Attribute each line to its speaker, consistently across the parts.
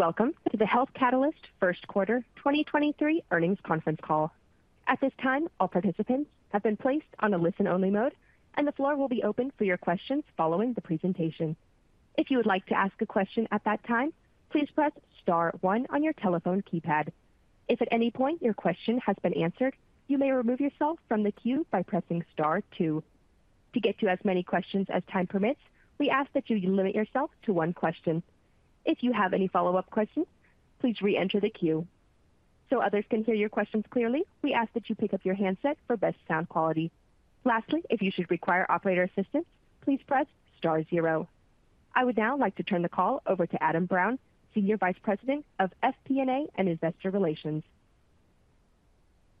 Speaker 1: Welcome to the Health Catalyst first quarter 2023 earnings conference call. At this time, all participants have been placed on a listen-only mode. The floor will be open for your questions following the presentation. If you would like to ask a question at that time, please press star one on your telephone keypad. If at any point your question has been answered, you may remove yourself from the queue by pressing star two. To get to as many questions as time permits, we ask that you limit yourself to one question. If you have any follow-up questions, please re-enter the queue. Others can hear your questions clearly, we ask that you pick up your handset for best sound quality. Lastly, if you should require operator assistance, please press star zero. I would now like to turn the call over to Adam Brown, Senior Vice President of FP&A and Investor Relations.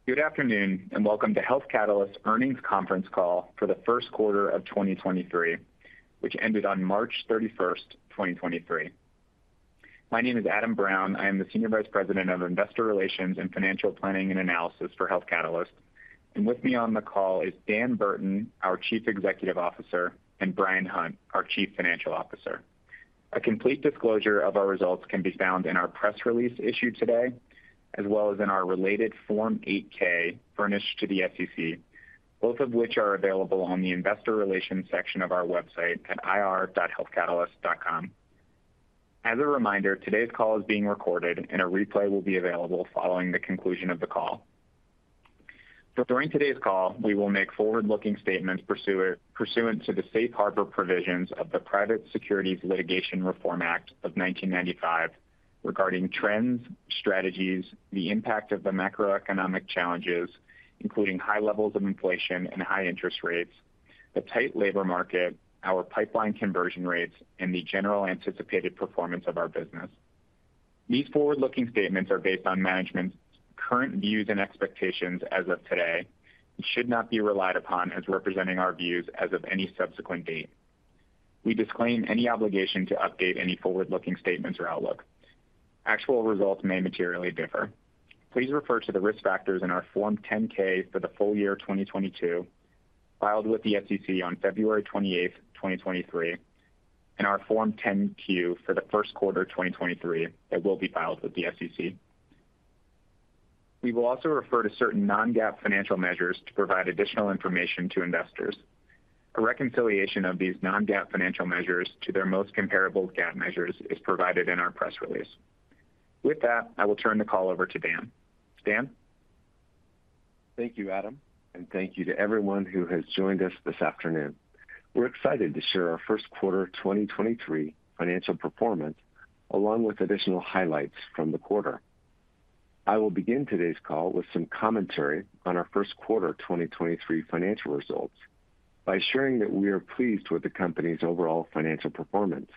Speaker 2: Good afternoon and welcome to Health Catalyst's earnings conference call for the first quarter of 2023, which ended on March 31st, 2023. My name is Adam Brown. I am the Senior Vice President of Investor Relations and Financial Planning & Analysis for Health Catalyst. With me on the call is Dan Burton, our Chief Executive Officer; and Bryan Hunt, our Chief Financial Officer. A complete disclosure of our results can be found in our press release issued today, as well as in our related Form 8-K furnished to the SEC, both of which are available on the Investor Relations section of our website at ir.healthcatalyst.com. As a reminder, today's call is being recorded and a replay will be available following the conclusion of the call. During today's call, we will make forward-looking statements pursuant to the Safe Harbor provisions of the Private Securities Litigation Reform Act of 1995 regarding trends, strategies, the impact of the macroeconomic challenges, including high levels of inflation and high interest rates, the tight labor market, our pipeline conversion rates, and the general anticipated performance of our business. These forward-looking statements are based on management's current views and expectations as of today and should not be relied upon as representing our views as of any subsequent date. We disclaim any obligation to update any forward-looking statements or outlook. Actual results may materially differ. Please refer to the risk factors in our Form 10-K for the full year 2022, filed with the SEC on February 28th, 2023, and our Form 10-Q for the first quarter of 2023 that will be filed with the SEC. We will also refer to certain non-GAAP financial measures to provide additional information to investors. A reconciliation of these non-GAAP financial measures to their most comparable GAAP measures is provided in our press release. With that, I will turn the call over to Dan. Dan?
Speaker 3: Thank you, Adam, and thank you to everyone who has joined us this afternoon. We're excited to share our first quarter of 2023 financial performance, along with additional highlights from the quarter. I will begin today's call with some commentary on our first quarter of 2023 financial results by sharing that we are pleased with the company's overall financial performance.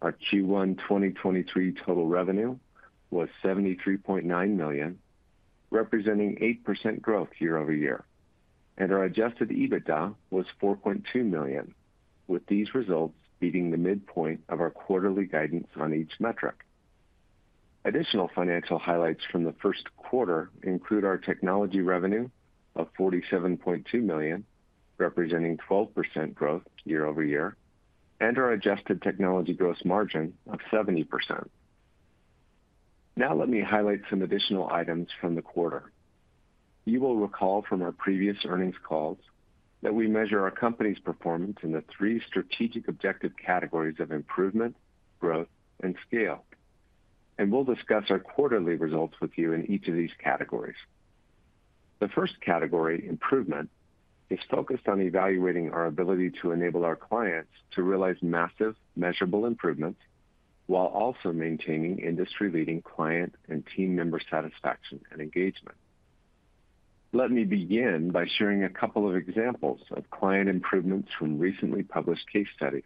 Speaker 3: Our Q1 2023 total revenue was $73.9 million, representing 8% growth year-over-year. Our Adjusted EBITDA was $4.2 million, with these results beating the midpoint of our quarterly guidance on each metric. Additional financial highlights from the first quarter include our technology revenue of $47.2 million, representing 12% growth year-over-year, and our adjusted technology gross margin of 70%. Now let me highlight some additional items from the quarter. You will recall from our previous earnings calls that we measure our company's performance in the three strategic objective categories of improvement, growth, and scale, and we'll discuss our quarterly results with you in each of these categories. The first category, improvement, is focused on evaluating our ability to enable our clients to realize massive, measurable improvements while also maintaining industry-leading client and team member satisfaction and engagement. Let me begin by sharing a couple of examples of client improvements from recently published case studies.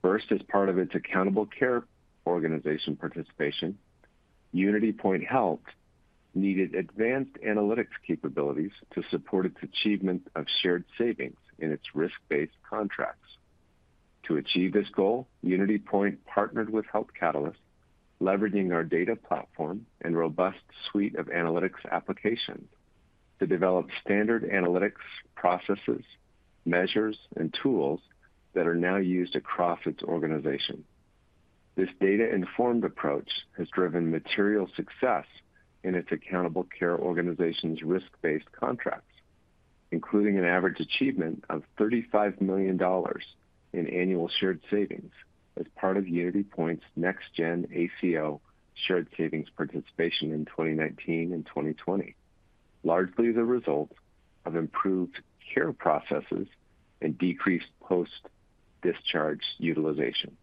Speaker 3: First, as part of its Accountable Care Organization participation, UnityPoint Health needed advanced analytics capabilities to support its achievement of shared savings in its risk-based contracts. To achieve this goal, UnityPoint partnered with Health Catalyst, leveraging our Data Platform and robust suite of analytics applications to develop standard analytics processes, measures, and tools that are now used across its organization. This data-informed approach has driven material success in its Accountable Care Organization's risk-based contracts, including an average achievement of $35 million in annual shared savings as part of UnityPoint's Next Gen ACO shared savings participation in 2019 and 2020, largely the result of improved care processes and decreased post-discharge utilization.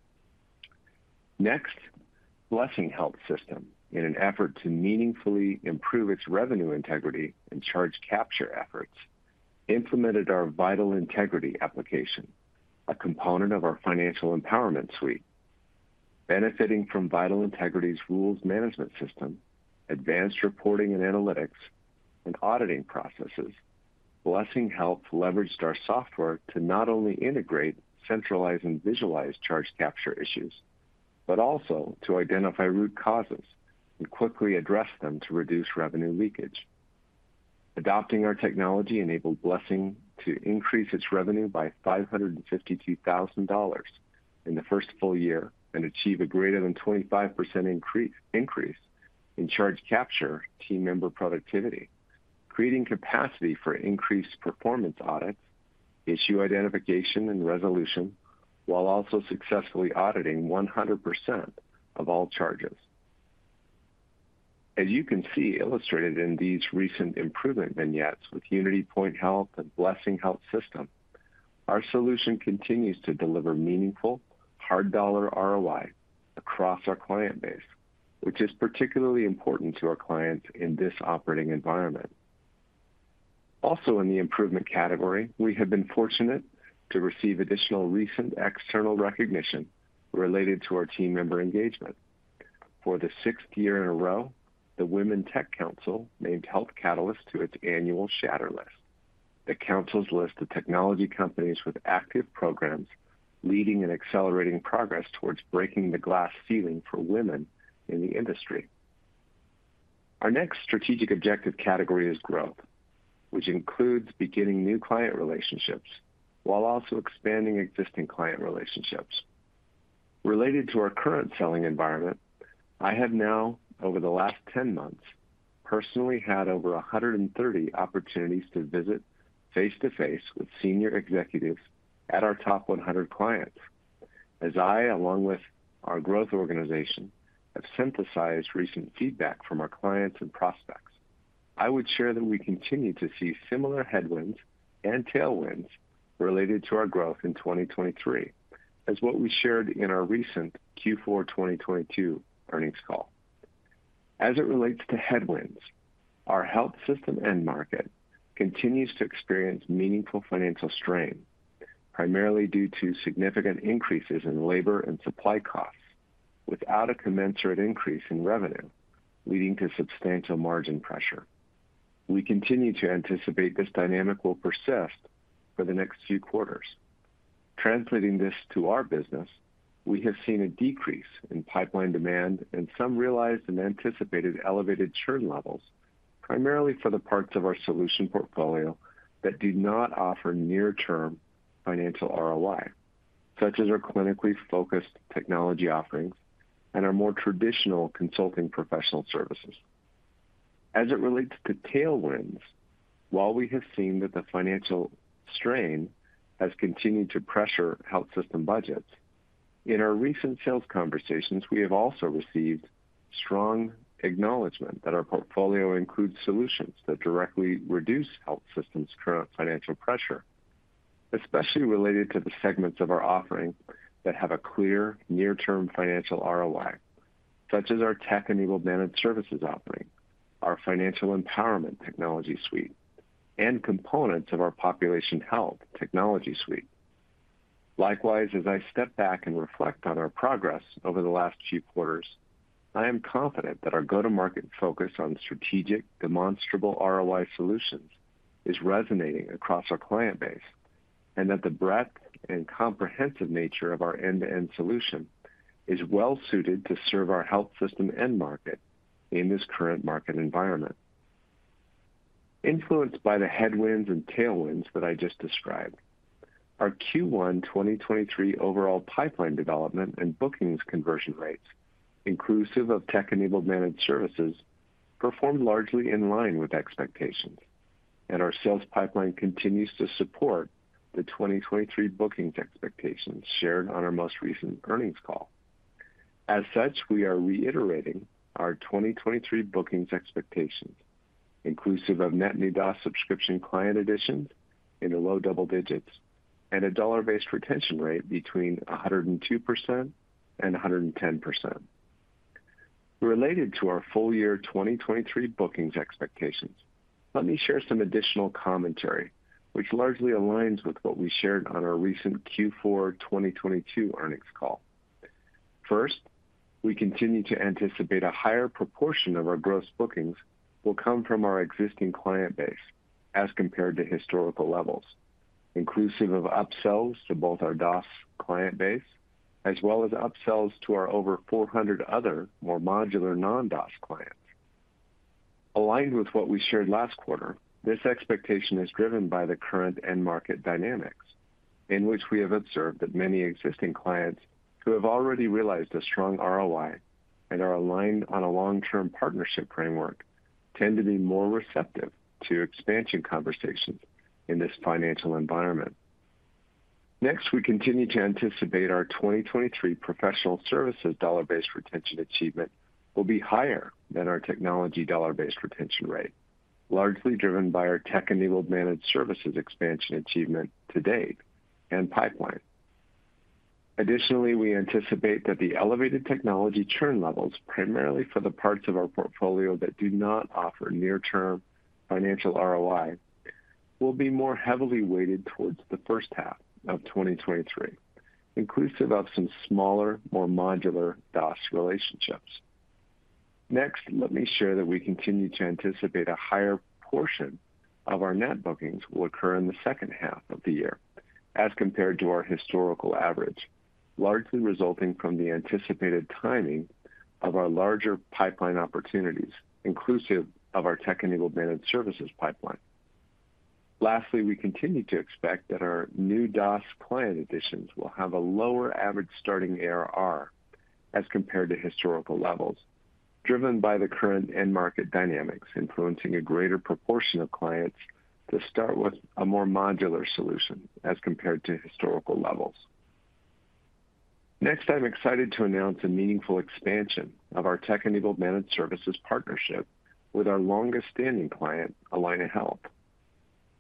Speaker 3: Blessing Health System, in an effort to meaningfully improve its revenue integrity and charge capture efforts, implemented our VitalIntegrity application, a component of our Financial Empowerment Suite. Benefiting from VitalIntegrity's rules management system, advanced reporting and analytics, and auditing processes, Blessing Health leveraged our software to not only integrate, centralize, and visualize charge capture issues, but also to identify root causes and quickly address them to reduce revenue leakage. Adopting our technology enabled Blessing to increase its revenue by $552,000 in the first full year and achieve a greater than 25% increase in charge capture team member productivity, creating capacity for increased performance audits, issue identification and resolution, while also successfully auditing 100% of all charges. As you can see illustrated in these recent improvement vignettes with UnityPoint Health and Blessing Health System, our solution continues to deliver meaningful hard dollar ROI across our client base, which is particularly important to our clients in this operating environment. In the improvement category, we have been fortunate to receive additional recent external recognition related to our team member engagement. For the 6th year in a row, the Women Tech Council named Health Catalyst to its annual Shatter List, the council's list of technology companies with active programs leading and accelerating progress towards breaking the glass ceiling for women in the industry. Our next strategic objective category is growth, which includes beginning new client relationships while also expanding existing client relationships. Related to our current selling environment, I have now over the last 10 months, personally had over 130 opportunities to visit face-to-face with senior executives at our top 100 clients. As I, along with our growth organization, have synthesized recent feedback from our clients and prospects. I would share that we continue to see similar headwinds and tailwinds related to our growth in 2023 as what we shared in our recent Q4 2022 earnings call. As it relates to headwinds, our health system end market continues to experience meaningful financial strain, primarily due to significant increases in labor and supply costs without a commensurate increase in revenue, leading to substantial margin pressure. We continue to anticipate this dynamic will persist for the next few quarters. Translating this to our business, we have seen a decrease in pipeline demand and some realized and anticipated elevated churn levels primarily for the parts of our solution portfolio that do not offer near-term financial ROI, such as our clinically focused technology offerings and our more traditional consulting Professional Services. As it relates to tailwinds, while we have seen that the financial strain has continued to pressure health system budgets. In our recent sales conversations, we have also received strong acknowledgment that our portfolio includes solutions that directly reduce health systems' current financial pressure, especially related to the segments of our offerings that have a clear near-term financial ROI, such as our Tech-Enabled Managed Services offering, our Financial Empowerment Suite technology suite, and components of our Population Health technology suite. Likewise, as I step back and reflect on our progress over the last few quarters, I am confident that our go-to-market focus on strategic, demonstrable ROI solutions is resonating across our client base and that the breadth and comprehensive nature of our end-to-end solution is well suited to serve our health system end market in this current market environment. Influenced by the headwinds and tailwinds that I just described, our Q1 2023 overall pipeline development and bookings conversion rates, inclusive of Tech-Enabled Managed Services, performed largely in line with expectations, and our sales pipeline continues to support the 2023 bookings expectations shared on our most recent earnings call. As such, we are reiterating our 2023 bookings expectations, inclusive of net new DOS subscription client additions in the low double digits and a dollar-based retention rate between 102% and 110%. Related to our full year 2023 bookings expectations, let me share some additional commentary which largely aligns with what we shared on our recent Q4 2022 earnings call. We continue to anticipate a higher proportion of our gross bookings will come from our existing client base as compared to historical levels, inclusive of upsells to both our DOS client base as well as upsells to our over 400 other more modular non-DOS clients. Aligned with what we shared last quarter, this expectation is driven by the current end market dynamics in which we have observed that many existing clients who have already realized a strong ROI and are aligned on a long-term partnership framework tend to be more receptive to expansion conversations in this financial environment. We continue to anticipate our 2023 Professional Services dollar-based retention achievement will be higher than our technology dollar-based retention rate, largely driven by our Tech-Enabled Managed Services expansion achievement to date and pipeline. Additionally, we anticipate that the elevated technology churn levels, primarily for the parts of our portfolio that do not offer near-term financial ROI, will be more heavily weighted towards the first half of 2023, inclusive of some smaller, more modular DOS relationships. Let me share that we continue to anticipate a higher portion of our net bookings will occur in the second half of the year as compared to our historical average, largely resulting from the anticipated timing of our larger pipeline opportunities, inclusive of our Tech-Enabled Managed Services pipeline. We continue to expect that our new DaaS client additions will have a lower average starting ARR as compared to historical levels, driven by the current end market dynamics influencing a greater proportion of clients to start with a more modular solution as compared to historical levels. Next, I'm excited to announce a meaningful expansion of our Tech-Enabled Managed Services partnership with our longest-standing client, Allina Health.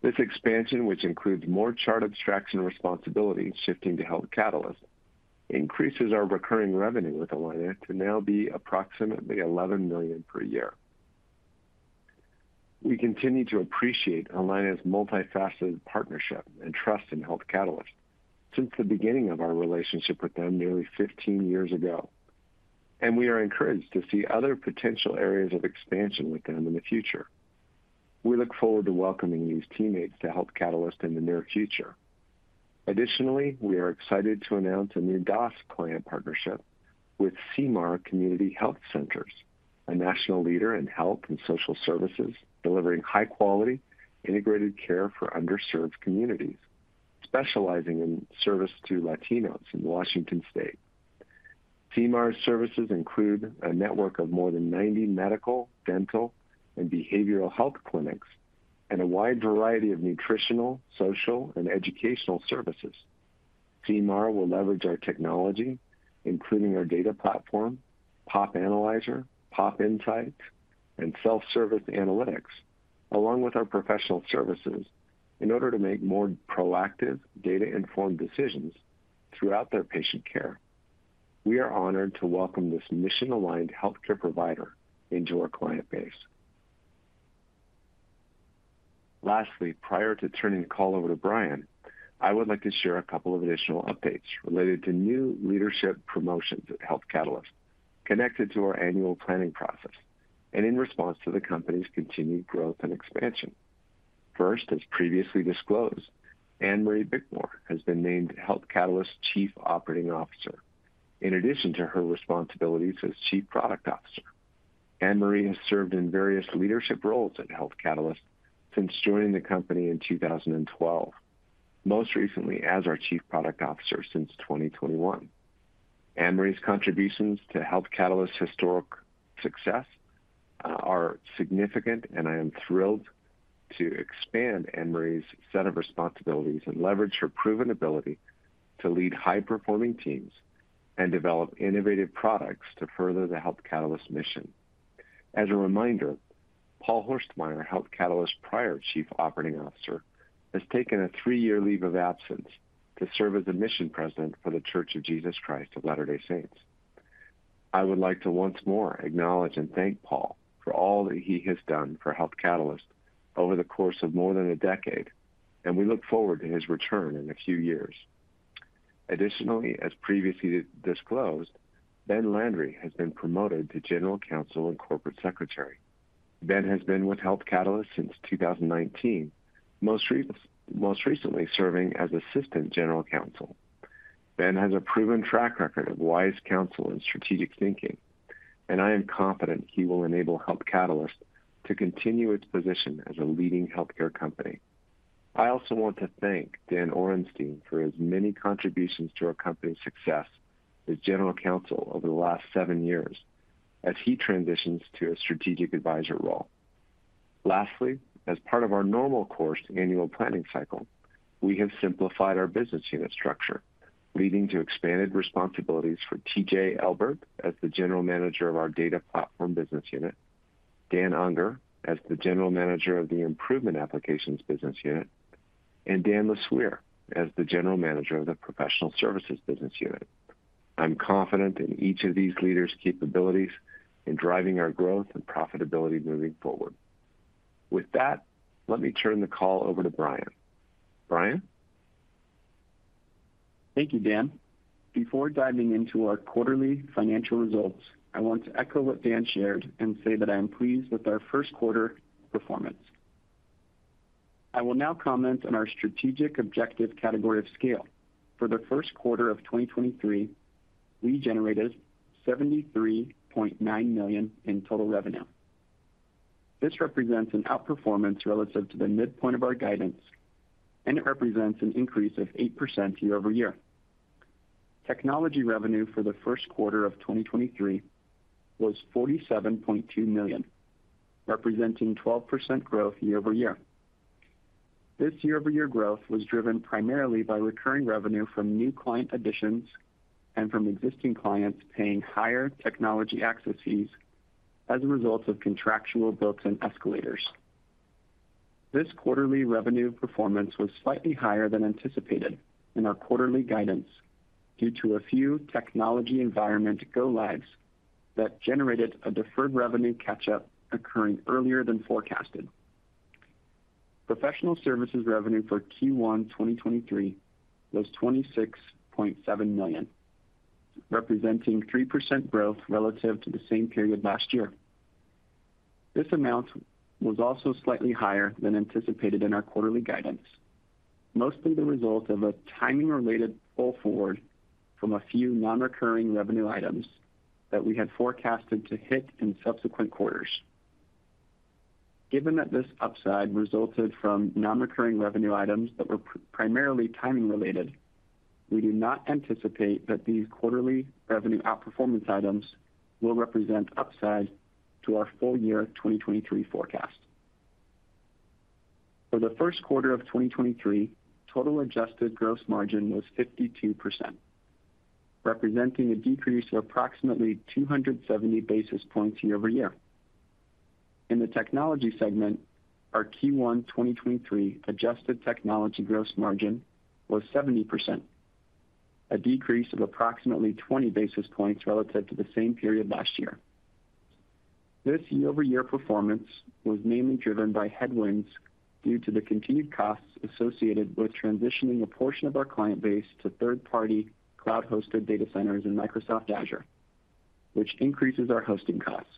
Speaker 3: This expansion, which includes more chart abstraction responsibilities shifting to Health Catalyst, increases our recurring revenue with Allina to now be approximately $11 million per year. We continue to appreciate Allina's multifaceted partnership and trust in Health Catalyst since the beginning of our relationship with them nearly 15 years ago. We are encouraged to see other potential areas of expansion with them in the future. We look forward to welcoming these teammates to Health Catalyst in the near future. Additionally, we are excited to announce a new DaaS client partnership with Sea Mar Community Health Centers, a national leader in health and social services, delivering high-quality integrated care for underserved communities, specializing in service to Latinos in Washington State. Sea Mar's services include a network of more than 90 medical, dental, and behavioral health clinics and a wide variety of nutritional, social, and educational services. Sea Mar will leverage our technology, including our Data Platform, Pop Analyzer, Pop Insights, and self-service analytics, along with our Professional Services in order to make more proactive data-informed decisions throughout their patient care. We are honored to welcome this mission-aligned healthcare provider into our client base. Lastly, prior to turning the call over to Bryan, I would like to share a couple of additional updates related to new leadership promotions at Health Catalyst connected to our annual planning process and in response to the company's continued growth and expansion. First, as previously disclosed, Anne Marie Bickmore has been named Health Catalyst's Chief Operating Officer. In addition to her responsibilities as chief product officer, Anne Marie has served in various leadership roles at Health Catalyst since joining the company in 2012. Most recently as our Chief Product Officer since 2021. Anne Marie's contributions to Health Catalyst's historic success are significant, and I am thrilled to expand Anne Marie's set of responsibilities and leverage her proven ability to lead high-performing teams and develop innovative products to further the Health Catalyst mission. As a reminder, Paul Horstmeier, Health Catalyst's prior Chief Operating Officer, has taken a three-year leave of absence to serve as a mission president for The Church of Jesus Christ of Latter-day Saints. I would like to once more acknowledge and thank Paul for all that he has done for Health Catalyst over the course of more than a decade. We look forward to his return in a few years. Additionally, as previously disclosed, Ben Landry has been promoted to General Counsel and Corporate Secretary. Ben has been with Health Catalyst since 2019. Most recently serving as Assistant General Counsel. Ben has a proven track record of wise counsel and strategic thinking. I am confident he will enable Health Catalyst to continue its position as a leading healthcare company. I also want to thank Dan Orenstein for his many contributions to our company's success as General Counsel over the last seven years as he transitions to a strategic advisor role. Lastly, as part of our normal course annual planning cycle, we have simplified our business unit structure, leading to expanded responsibilities for TJ Elbert as the General Manager of our Data Platform business unit, Dan Unger as the General Manager of the Improvement Applications business unit, and Dan LeSueur as the General Manager of the Professional Services business unit. I'm confident in each of these leaders' capabilities in driving our growth and profitability moving forward. With that, let me turn the call over to Bryan. Bryan?
Speaker 4: Thank you, Dan. Before diving into our quarterly financial results, I want to echo what Dan shared and say that I am pleased with our first quarter performance. I will now comment on our strategic objective category of scale. For the first quarter of 2023, we generated $73.9 million in total revenue. This represents an outperformance relative to the midpoint of our guidance and it represents an increase of 8% year-over-year. Technology revenue for the first quarter of 2023 was $47.2 million, representing 12% growth year-over-year. This year-over-year growth was driven primarily by recurring revenue from new client additions and from existing clients paying higher technology access fees as a result of contractual books and escalators. This quarterly revenue performance was slightly higher than anticipated in our quarterly guidance due to a few technology environment go lives that generated a deferred revenue catch up occurring earlier than forecasted. Professional Services revenue for Q1 2023 was $26.7 million, representing 3% growth relative to the same period last year. This amount was also slightly higher than anticipated in our quarterly guidance, mostly the result of a timing-related pull forward from a few non-recurring revenue items that we had forecasted to hit in subsequent quarters. Given that this upside resulted from non-recurring revenue items that were primarily timing related, we do not anticipate that these quarterly revenue outperformance items will represent upside to our full year 2023 forecast. For the 1st quarter of 2023, total adjusted gross margin was 52%, representing a decrease of approximately 270 basis points year-over-year. In the technology segment, our Q1 2023 adjusted technology gross margin was 70%, a decrease of approximately 20 basis points relative to the same period last year. This year-over-year performance was mainly driven by headwinds due to the continued costs associated with transitioning a portion of our client base to third-party cloud-hosted data centers in Microsoft Azure, which increases our hosting costs,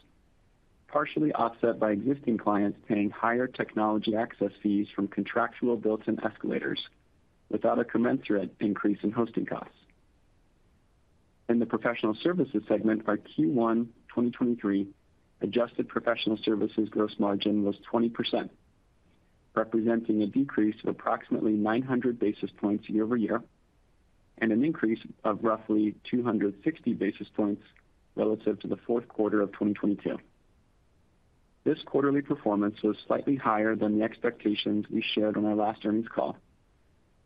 Speaker 4: partially offset by existing clients paying higher technology access fees from contractual built-in escalators without a commensurate increase in hosting costs. In the Professional Services segment, our Q1 2023 adjusted Professional Services gross margin was 20%, representing a decrease of approximately 900 basis points year-over-year, and an increase of roughly 260 basis points relative to the fourth quarter of 2022. This quarterly performance was slightly higher than the expectations we shared on our last earnings call,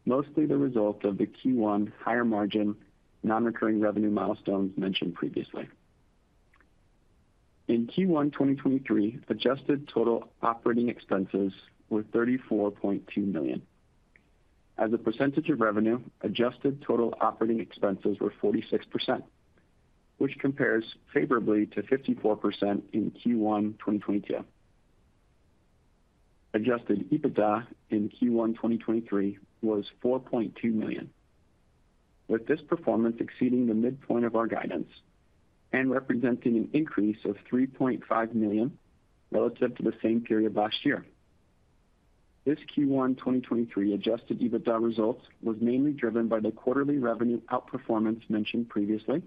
Speaker 4: mostly the result of the Q1 higher margin non-recurring revenue milestones mentioned previously. In Q1 2023, adjusted total operating expenses were $34.2 million. As a percentage of revenue, adjusted total operating expenses were 46%, which compares favorably to 54% in Q1 2022. Adjusted EBITDA in Q1 2023 was $4.2 million, with this performance exceeding the midpoint of our guidance and representing an increase of $3.5 million relative to the same period last year. This Q1 2023 Adjusted EBITDA results was mainly driven by the quarterly revenue outperformance mentioned previously,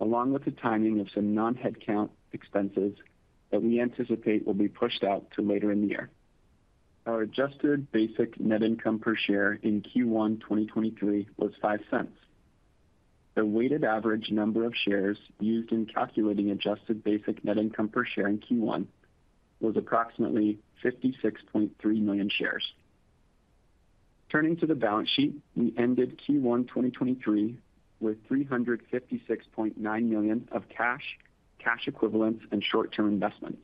Speaker 4: along with the timing of some non-headcount expenses that we anticipate will be pushed out to later in the year. Our adjusted basic net income per share in Q1 2023 was $0.05. The weighted average number of shares used in calculating adjusted basic net income per share in Q1 was approximately 56.3 million shares. Turning to the balance sheet, we ended Q1 2023 with $356.9 million of cash equivalents and short-term investments,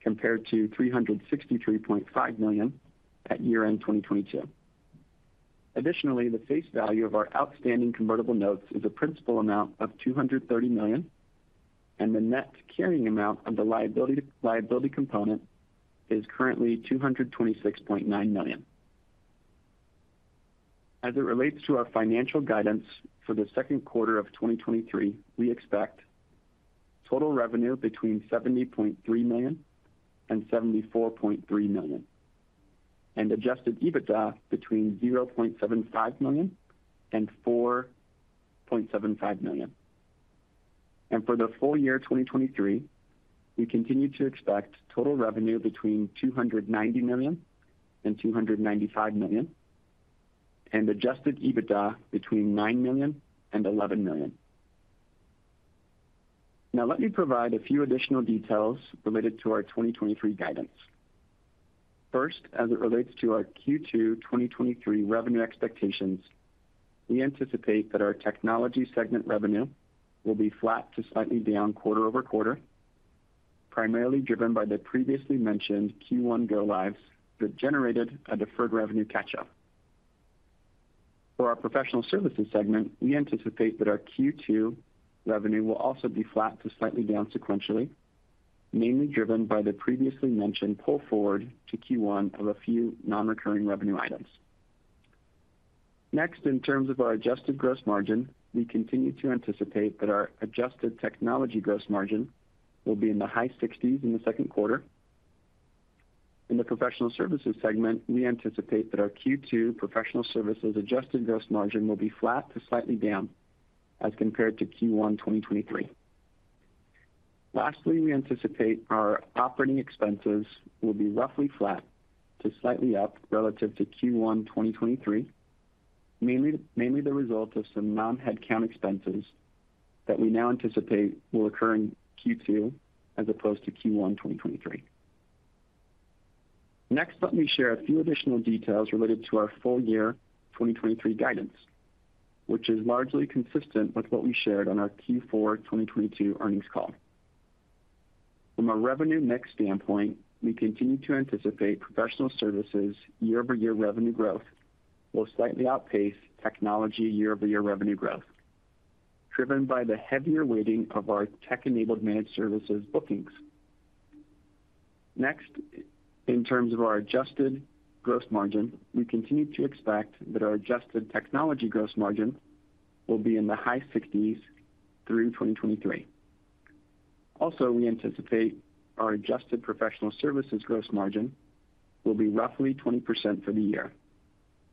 Speaker 4: compared to $363.5 million at year-end 2022. Additionally, the face value of our outstanding convertible notes is a principal amount of $230 million, and the net carrying amount of the liability component is currently $226.9 million. As it relates to our financial guidance for the second quarter of 2023, we expect total revenue between $70.3 million and $74.3 million, and Adjusted EBITDA between $0.75 million and $4.75 million. For the full year 2023, we continue to expect total revenue between $290 million and $295 million, and Adjusted EBITDA between $9 million and $11 million. Let me provide a few additional details related to our 2023 guidance. First, as it relates to our Q2 2023 revenue expectations, we anticipate that our technology segment revenue will be flat to slightly down quarter-over-quarter, primarily driven by the previously mentioned Q1 go lives that generated a deferred revenue catch up. For our Professional Services segment, we anticipate that our Q2 revenue will also be flat to slightly down sequentially, mainly driven by the previously mentioned pull forward to Q1 of a few non-recurring revenue items. In terms of our adjusted gross margin, we continue to anticipate that our adjusted technology gross margin will be in the high 60s in the second quarter. In the Professional Services segment, we anticipate that our Q2 Professional Services adjusted gross margin will be flat to slightly down as compared to Q1 2023. We anticipate our operating expenses will be roughly flat to slightly up relative to Q1 2023, mainly the result of some non-headcount expenses that we now anticipate will occur in Q2 as opposed to Q1 2023. Let me share a few additional details related to our full year 2023 guidance, which is largely consistent with what we shared on our Q4 2022 earnings call. From a revenue mix standpoint, we continue to anticipate Professional Services year-over-year revenue growth will slightly outpace technology year-over-year revenue growth, driven by the heavier weighting of our Tech-Enabled Managed Services bookings. In terms of our adjusted gross margin, we continue to expect that our adjusted technology gross margin will be in the high 60s through 2023. Also, we anticipate our adjusted Professional Services gross margin will be roughly 20% for the year,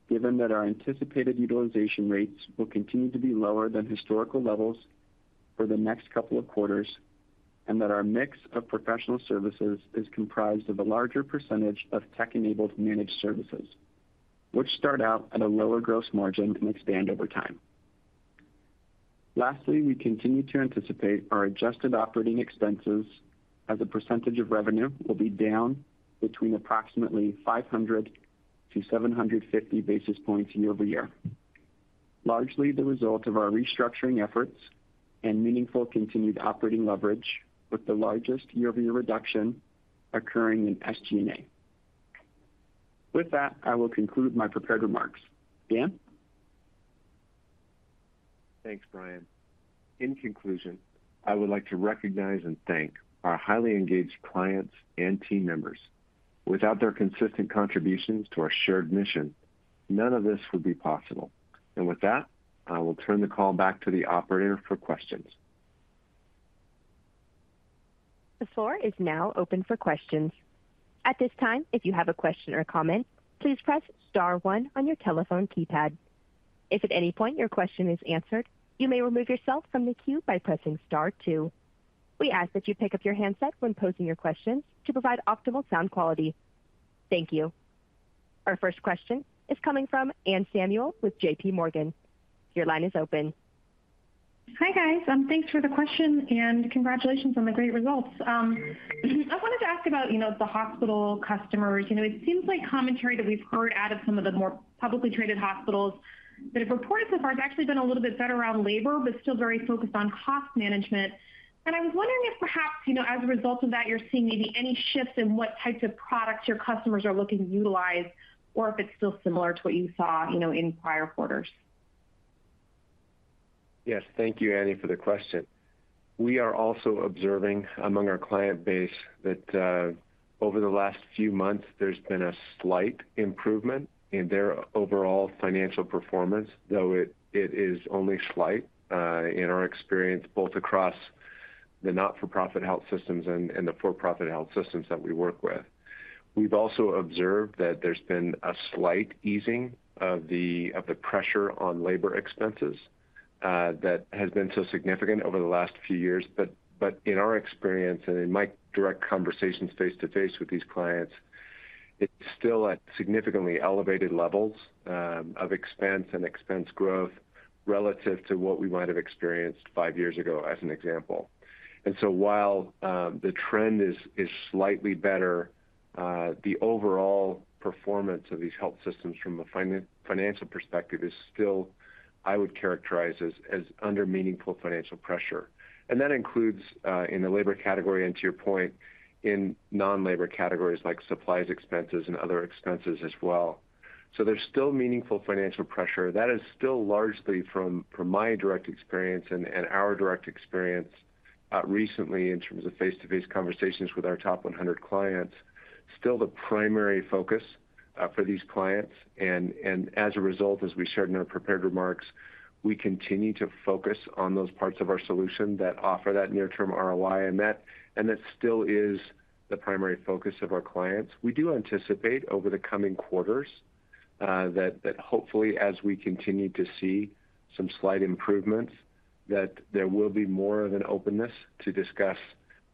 Speaker 4: given that our anticipated utilization rates will continue to be lower than historical levels for the next couple of quarters, and that our mix of Professional Services is comprised of a larger percentage of Tech-Enabled Managed Services, which start out at a lower gross margin and expand over time. Lastly, we continue to anticipate our adjusted operating expenses as a percentage of revenue will be down between approximately 500-750 basis points year-over-year. Largely the result of our restructuring efforts and meaningful continued operating leverage with the largest year-over-year reduction occurring in SG&A. With that, I will conclude my prepared remarks. Dan?
Speaker 3: Thanks, Bryan. In conclusion, I would like to recognize and thank our highly engaged clients and team members. Without their consistent contributions to our shared mission, none of this would be possible. With that, I will turn the call back to the operator for questions.
Speaker 1: The floor is now open for questions. At this time, if you have a question or comment, please press star one on your telephone keypad. If at any point your question is answered, you may remove yourself from the queue by pressing star two. We ask that you pick up your handset when posing your questions to provide optimal sound quality. Thank you. Our first question is coming from Anne Samuel with JPMorgan. Your line is open.
Speaker 5: Hi, guys. Thanks for the question and congratulations on the great results. I wanted to ask about, you know, the hospital customers. You know, it seems like commentary that we've heard out of some of the more publicly traded hospitals that have reported so far has actually been a little bit better around labor, but still very focused on cost management. I was wondering if perhaps, you know, as a result of that, you're seeing maybe any shifts in what types of products your customers are looking to utilize or if it's still similar to what you saw, you know, in prior quarters.
Speaker 3: Yes. Thank you, Anne, for the question. We are also observing among our client base that over the last few months, there's been a slight improvement in their overall financial performance, though it is only slight, in our experience, both across the not-for-profit health systems and the for-profit health systems that we work with. We've also observed that there's been a slight easing of the pressure on labor expenses, that has been so significant over the last few years. In our experience and in my direct conversations face-to-face with these clients, it's still at significantly elevated levels of expense and expense growth relative to what we might have experienced five years ago, as an example. While the trend is slightly better, the overall performance of these health systems from a financial perspective is still, I would characterize as under meaningful financial pressure. That includes in the labor category, and to your point, in non-labor categories like supplies expenses and other expenses as well. There's still meaningful financial pressure. That is still largely from my direct experience and our direct experience recently in terms of face-to-face conversations with our top 100 clients, still the primary focus for these clients. As a result, as we shared in our prepared remarks, we continue to focus on those parts of our solution that offer that near-term ROI, and that still is the primary focus of our clients. We do anticipate over the coming quarters, that hopefully, as we continue to see some slight improvements, that there will be more of an openness to discuss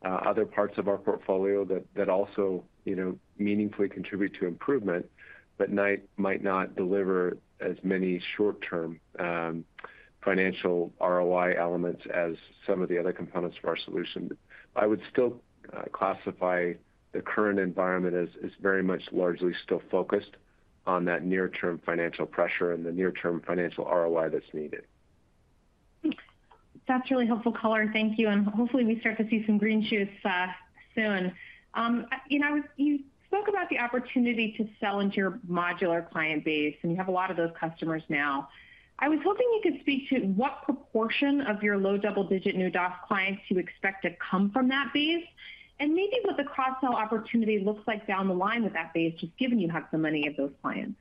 Speaker 3: other parts of our portfolio that also, you know, meaningfully contribute to improvement, but might not deliver as many short-term financial ROI elements as some of the other components of our solution. I would still classify the current environment as very much largely still focused on that near-term financial pressure and the near-term financial ROI that's needed.
Speaker 5: Thanks. That's a really helpful color. Thank you. Hopefully we start to see some green shoots soon. You know, you spoke about the opportunity to sell into your modular client base, and you have a lot of those customers now. I was hoping you could speak to what proportion of your low double-digit new DOS clients you expect to come from that base, and maybe what the cross-sell opportunity looks like down the line with that base, just given you have so many of those clients?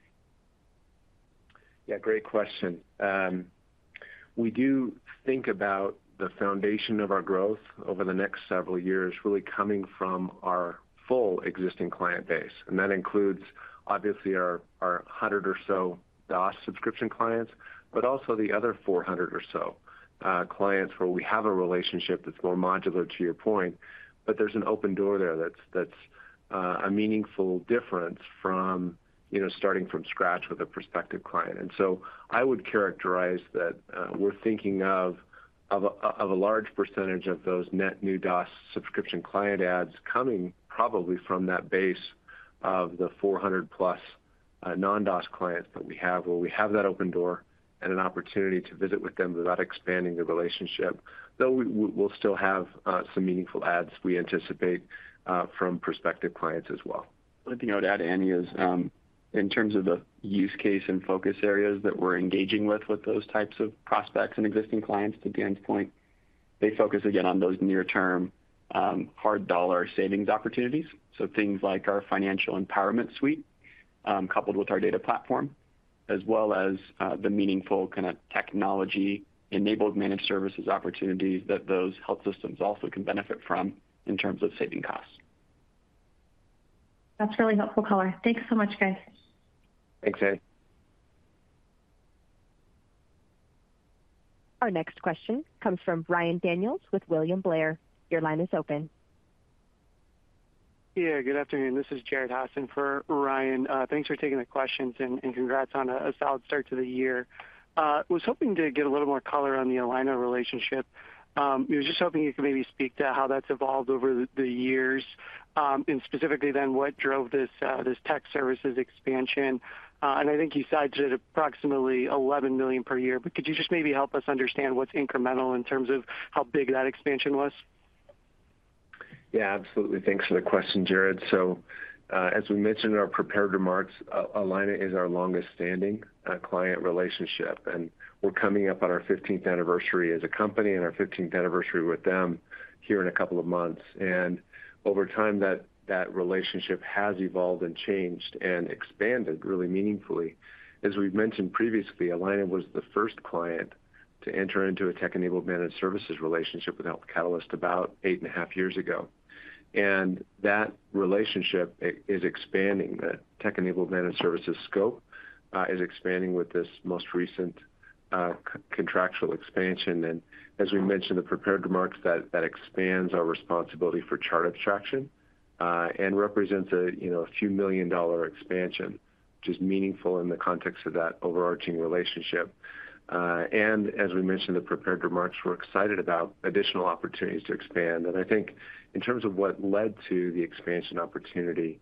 Speaker 3: Great question. We do think about the foundation of our growth over the next several years, really coming from our full existing client base. That includes obviously our 100 or so DOS subscription clients, but also the other 400 or so clients where we have a relationship that's more modular, to your point. There's an open door there that's a meaningful difference from, you know, starting from scratch with a prospective client. I would characterize that we're thinking of a large percentage of those net new DOS subscription client adds coming probably from that base of the 400+ non-DOS clients that we have, where we have that open door and an opportunity to visit with them about expanding the relationship. Though we will still have some meaningful adds we anticipate from prospective clients as well.
Speaker 4: One thing I would add, Annie, is in terms of the use case and focus areas that we're engaging with with those types of prospects and existing clients, to Dan's point. They focus again on those near term, hard dollar savings opportunities. things like our Financial Empowerment Suite, coupled with our Data Platform, as well as the meaningful kind of Technology-Enabled Managed Services opportunities that those health systems also can benefit from in terms of saving costs.
Speaker 5: That's really helpful color. Thanks so much, guys.
Speaker 3: Thanks, Anne.
Speaker 1: Our next question comes from Ryan Daniels with William Blair. Your line is open.
Speaker 6: Yeah, good afternoon. This is Jared Haas for Ryan. Thanks for taking the questions and congrats on a solid start to the year. was hoping to get a little more color on the Allina relationship. was just hoping you could maybe speak to how that's evolved over the years. I think you cited approximately $11 million per year. Could you just maybe help us understand what's incremental in terms of how big that expansion was?
Speaker 3: Yeah, absolutely. Thanks for the question, Jared. As we mentioned in our prepared remarks, Allina is our longest standing client relationship, and we're coming up on our 15th anniversary as a company and our 15th anniversary with them here in a couple of months. Over time, that relationship has evolved and changed and expanded really meaningfully. As we've mentioned previously, Allina was the first client to enter into a Tech-Enabled Managed Services relationship with Health Catalyst about eight and a half years ago. That relationship is expanding. The Tech-Enabled Managed Services scope is expanding with this most recent contractual expansion. As we mentioned in the prepared remarks, that expands our responsibility for chart abstraction and represents a, you know, a few million dollar expansion, which is meaningful in the context of that overarching relationship. As we mentioned in the prepared remarks, we're excited about additional opportunities to expand. I think in terms of what led to the expansion opportunity,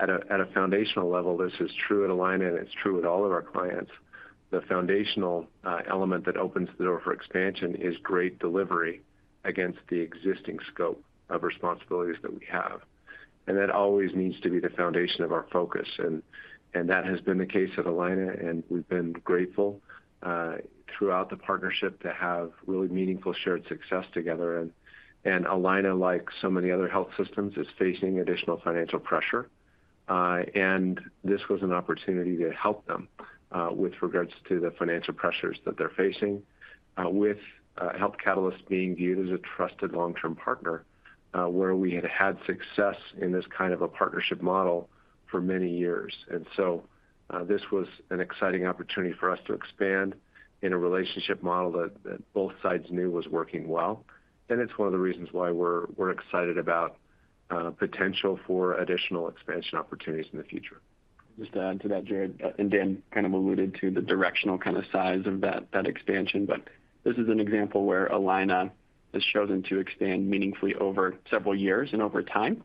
Speaker 3: at a foundational level, this is true at Allina, and it's true with all of our clients. The foundational element that opens the door for expansion is great delivery against the existing scope of responsibilities that we have. That always needs to be the foundation of our focus and that has been the case at Allina, and we've been grateful throughout the partnership to have really meaningful shared success together. Allina, like so many other health systems, is facing additional financial pressure. This was an opportunity to help them with regards to the financial pressures that they're facing with Health Catalyst being viewed as a trusted long-term partner where we had had success in this kind of a partnership model for many years. So, this was an exciting opportunity for us to expand in a relationship model that both sides knew was working well. It's one of the reasons why we're excited about potential for additional expansion opportunities in the future.
Speaker 4: Just to add to that, Jared, and Dan kind of alluded to the directional kind of size of that expansion, but this is an example where Allina has chosen to expand meaningfully over several years and over time,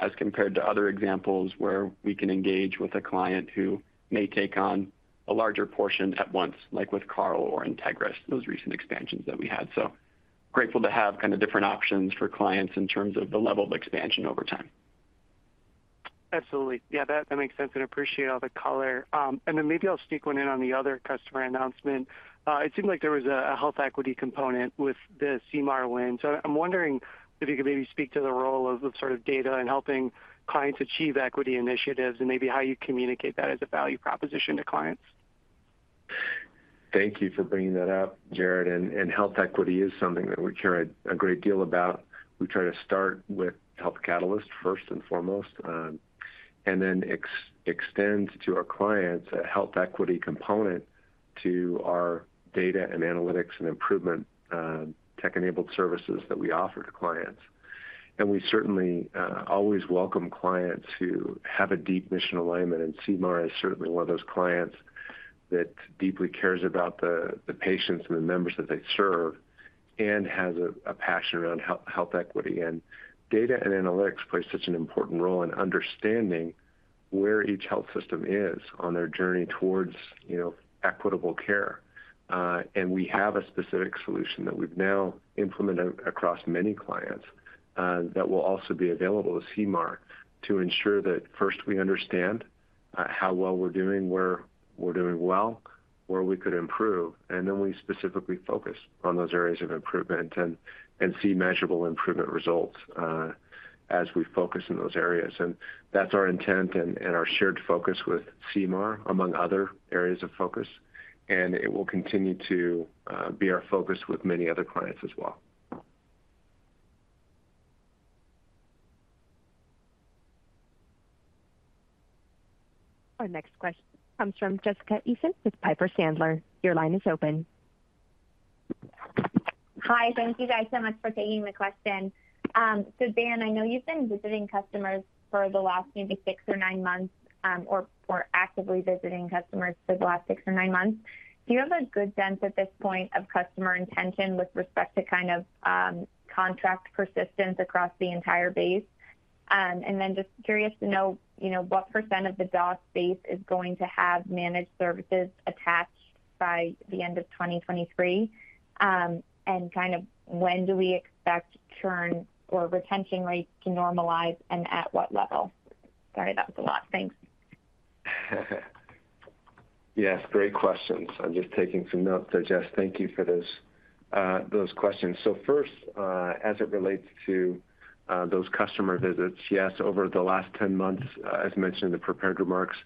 Speaker 4: as compared to other examples where we can engage with a client who may take on a larger portion at once, like with Carle or INTEGRIS, those recent expansions that we had. Grateful to have kind of different options for clients in terms of the level of expansion over time.
Speaker 6: Absolutely. Yeah, that makes sense and appreciate all the color. Maybe I'll sneak one in on the other customer announcement. It seemed like there was a health equity component with the Sea Mar win. I'm wondering if you could maybe speak to the role of sort of data in helping clients achieve equity initiatives and maybe how you communicate that as a value proposition to clients.
Speaker 3: Thank you for bringing that up, Jared. health equity is something that we care a great deal about. We try to start with Health Catalyst first and foremost, and then extend to our clients a health equity component to our data and analytics and improvement, tech-enabled services that we offer to clients. We certainly always welcome clients who have a deep mission alignment. Sea Mar is certainly one of those clients that deeply cares about the patients and the members that they serve and has a passion around health equity. Data and analytics play such an important role in understanding where each health system is on their journey towards, you know, equitable care. We have a specific solution that we've now implemented across many clients that will also be available to Sea Mar to ensure that first we understand how well we're doing, where we're doing well, where we could improve, and then we specifically focus on those areas of improvement and see measurable improvement results as we focus in those areas. That's our intent and our shared focus with Sea Mar, among other areas of focus. It will continue to be our focus with many other clients as well.
Speaker 1: Our next question comes from Jessica Tassan with Piper Sandler. Your line is open.
Speaker 7: Hi. Thank you guys so much for taking the question. Dan, I know you've been visiting customers for the last maybe six or nine months, or actively visiting customers for the last six or nine months. Do you have a good sense at this point of customer intention with respect to kind of, contract persistence across the entire base? Then just curious to know, you know, what percent of the DOS base is going to have managed services attached by the end of 2023. Kind of when do we expect churn or retention rates to normalize and at what level? Sorry, that was a lot. Thanks.
Speaker 3: Yes, great questions. I'm just taking some notes there, Jess. Thank you for those questions. First, as it relates to those customer visits, yes, over the last 10 months, as mentioned in the prepared remarks,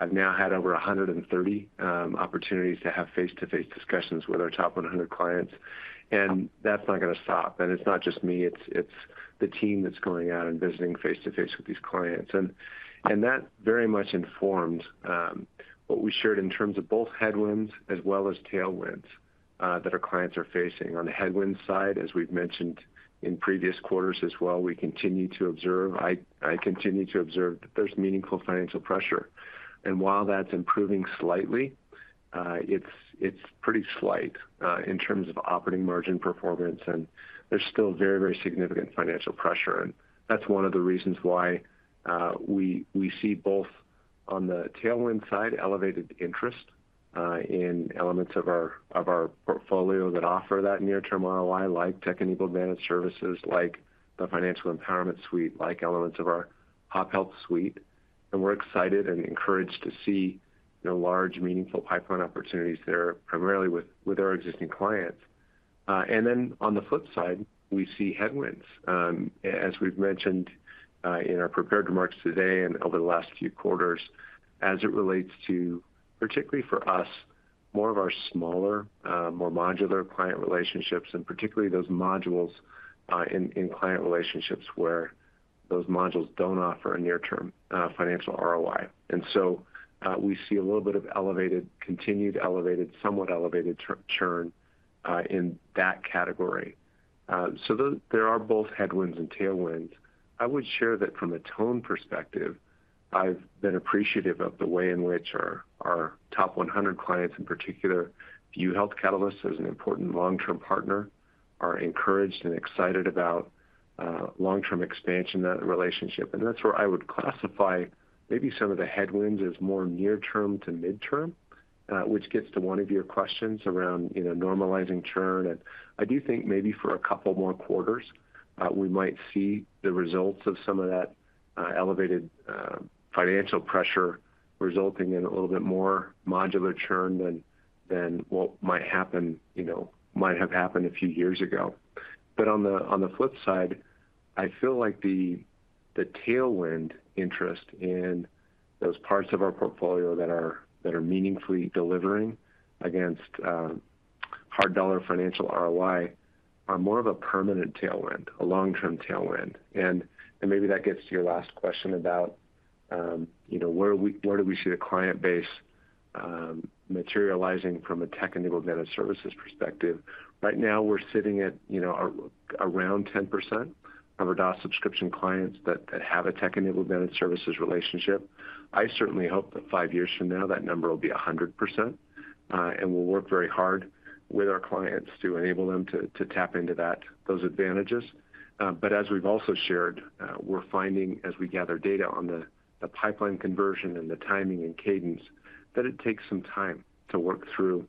Speaker 3: I've now had over 130 opportunities to have face-to-face discussions with our top 100 clients. That's not gonna stop. It's not just me, it's the team that's going out and visiting face-to-face with these clients. That very much informs what we shared in terms of both headwinds as well as tailwinds that our clients are facing. On the headwinds side, as we've mentioned in previous quarters as well, I continue to observe that there's meaningful financial pressure. While that's improving slightly, it's pretty slight in terms of operating margin performance, and there's still very, very significant financial pressure. That's one of the reasons why we see both on the tailwind side, elevated interest in elements of our portfolio that offer that near-term ROI, like Tech-Enabled Managed Services, like the Financial Empowerment Suite, like elements of our pop health Suite. We're excited and encouraged to see, you know, large, meaningful pipeline opportunities there, primarily with our existing clients. On the flip side, we see headwinds, as we've mentioned, in our prepared remarks today and over the last few quarters, as it relates to, particularly for us, more of our smaller, more modular client relationships, and particularly those modules in client relationships where those modules don't offer a near-term financial ROI. We see a little bit of elevated, continued elevated, somewhat elevated churn in that category. There are both headwinds and tailwinds. I would share that from a tone perspective, I've been appreciative of the way in which our top 100 clients in particular view Health Catalyst as an important long-term partner, are encouraged and excited about long-term expansion of that relationship. That's where I would classify maybe some of the headwinds as more near-term to midterm, which gets to one of your questions around, you know, normalizing churn. I do think maybe for two more quarters, we might see the results of some of that elevated financial pressure resulting in a little bit more modular churn than what might happen, you know, might have happened a few years ago. On the flip side, I feel like the tailwind interest in those parts of our portfolio that are meaningfully delivering against hard dollar financial ROI are more of a permanent tailwind, a long-term tailwind. Maybe that gets to your last question about, you know, where do we see the client base materializing from a Tech-Enabled Managed Services perspective. Right now, we're sitting at, you know, around 10% of our DOS subscription clients that have a Tech-Enabled Managed Services relationship. I certainly hope that five years from now, that number will be 100%, and we'll work very hard with our clients to enable them to tap into that, those advantages. As we've also shared, we're finding as we gather data on the pipeline conversion and the timing and cadence, that it takes some time to work through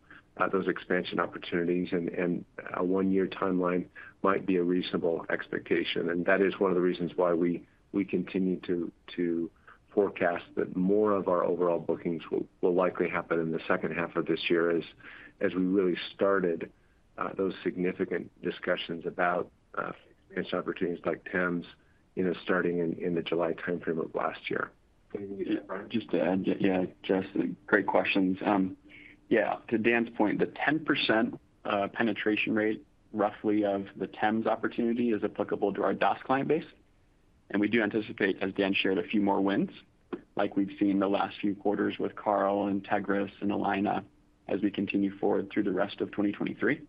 Speaker 3: those expansion opportunities, and a one-year timeline might be a reasonable expectation. That is one of the reasons why we continue to forecast that more of our overall bookings will likely happen in the second half of this year as we really started those significant discussions about experience opportunities like TEMS, you know, starting in the July timeframe of last year.
Speaker 4: Just to add, yeah, Jess, great questions. To Dan's point, the 10% penetration rate roughly of the TEMS opportunity is applicable to our DaaS client base. We do anticipate, as Dan shared, a few more wins like we've seen the last few quarters with Carle, INTEGRIS, and Allina as we continue forward through the rest of 2023.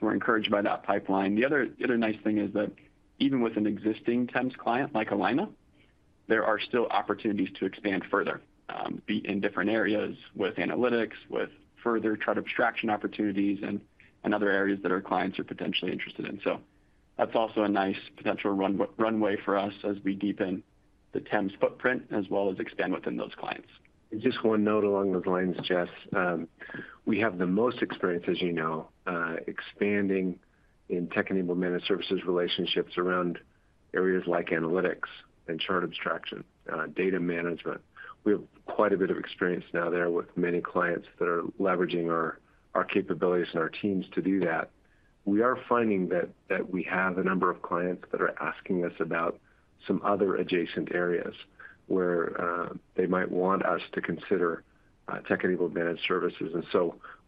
Speaker 4: We're encouraged by that pipeline. The other nice thing is that even with an existing TEMS client like Allina, there are still opportunities to expand further, be it in different areas with analytics, with further chart abstraction opportunities, and other areas that our clients are potentially interested in. That's also a nice potential runway for us as we deepen the TEMS footprint as well as expand within those clients.
Speaker 3: Just one note along those lines, Jess. We have the most experience, as you know, expanding in Tech-Enabled Managed Services relationships around areas like analytics and chart abstraction, data management. We have quite a bit of experience now there with many clients that are leveraging our capabilities and our teams to do that. We are finding that we have a number of clients that are asking us about some other adjacent areas where they might want us to consider Tech-Enabled Managed Services.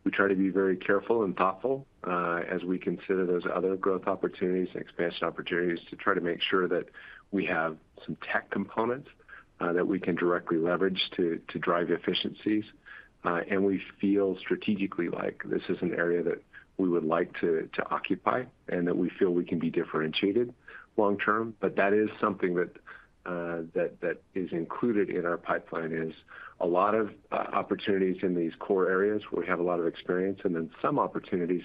Speaker 3: We try to be very careful and thoughtful, as we consider those other growth opportunities and expansion opportunities to try to make sure that we have some tech components, that we can directly leverage to drive efficiencies. We feel strategically like this is an area that we would like to occupy and that we feel we can be differentiated long term. That is something that is included in our pipeline is a lot of opportunities in these core areas where we have a lot of experience, and then some opportunities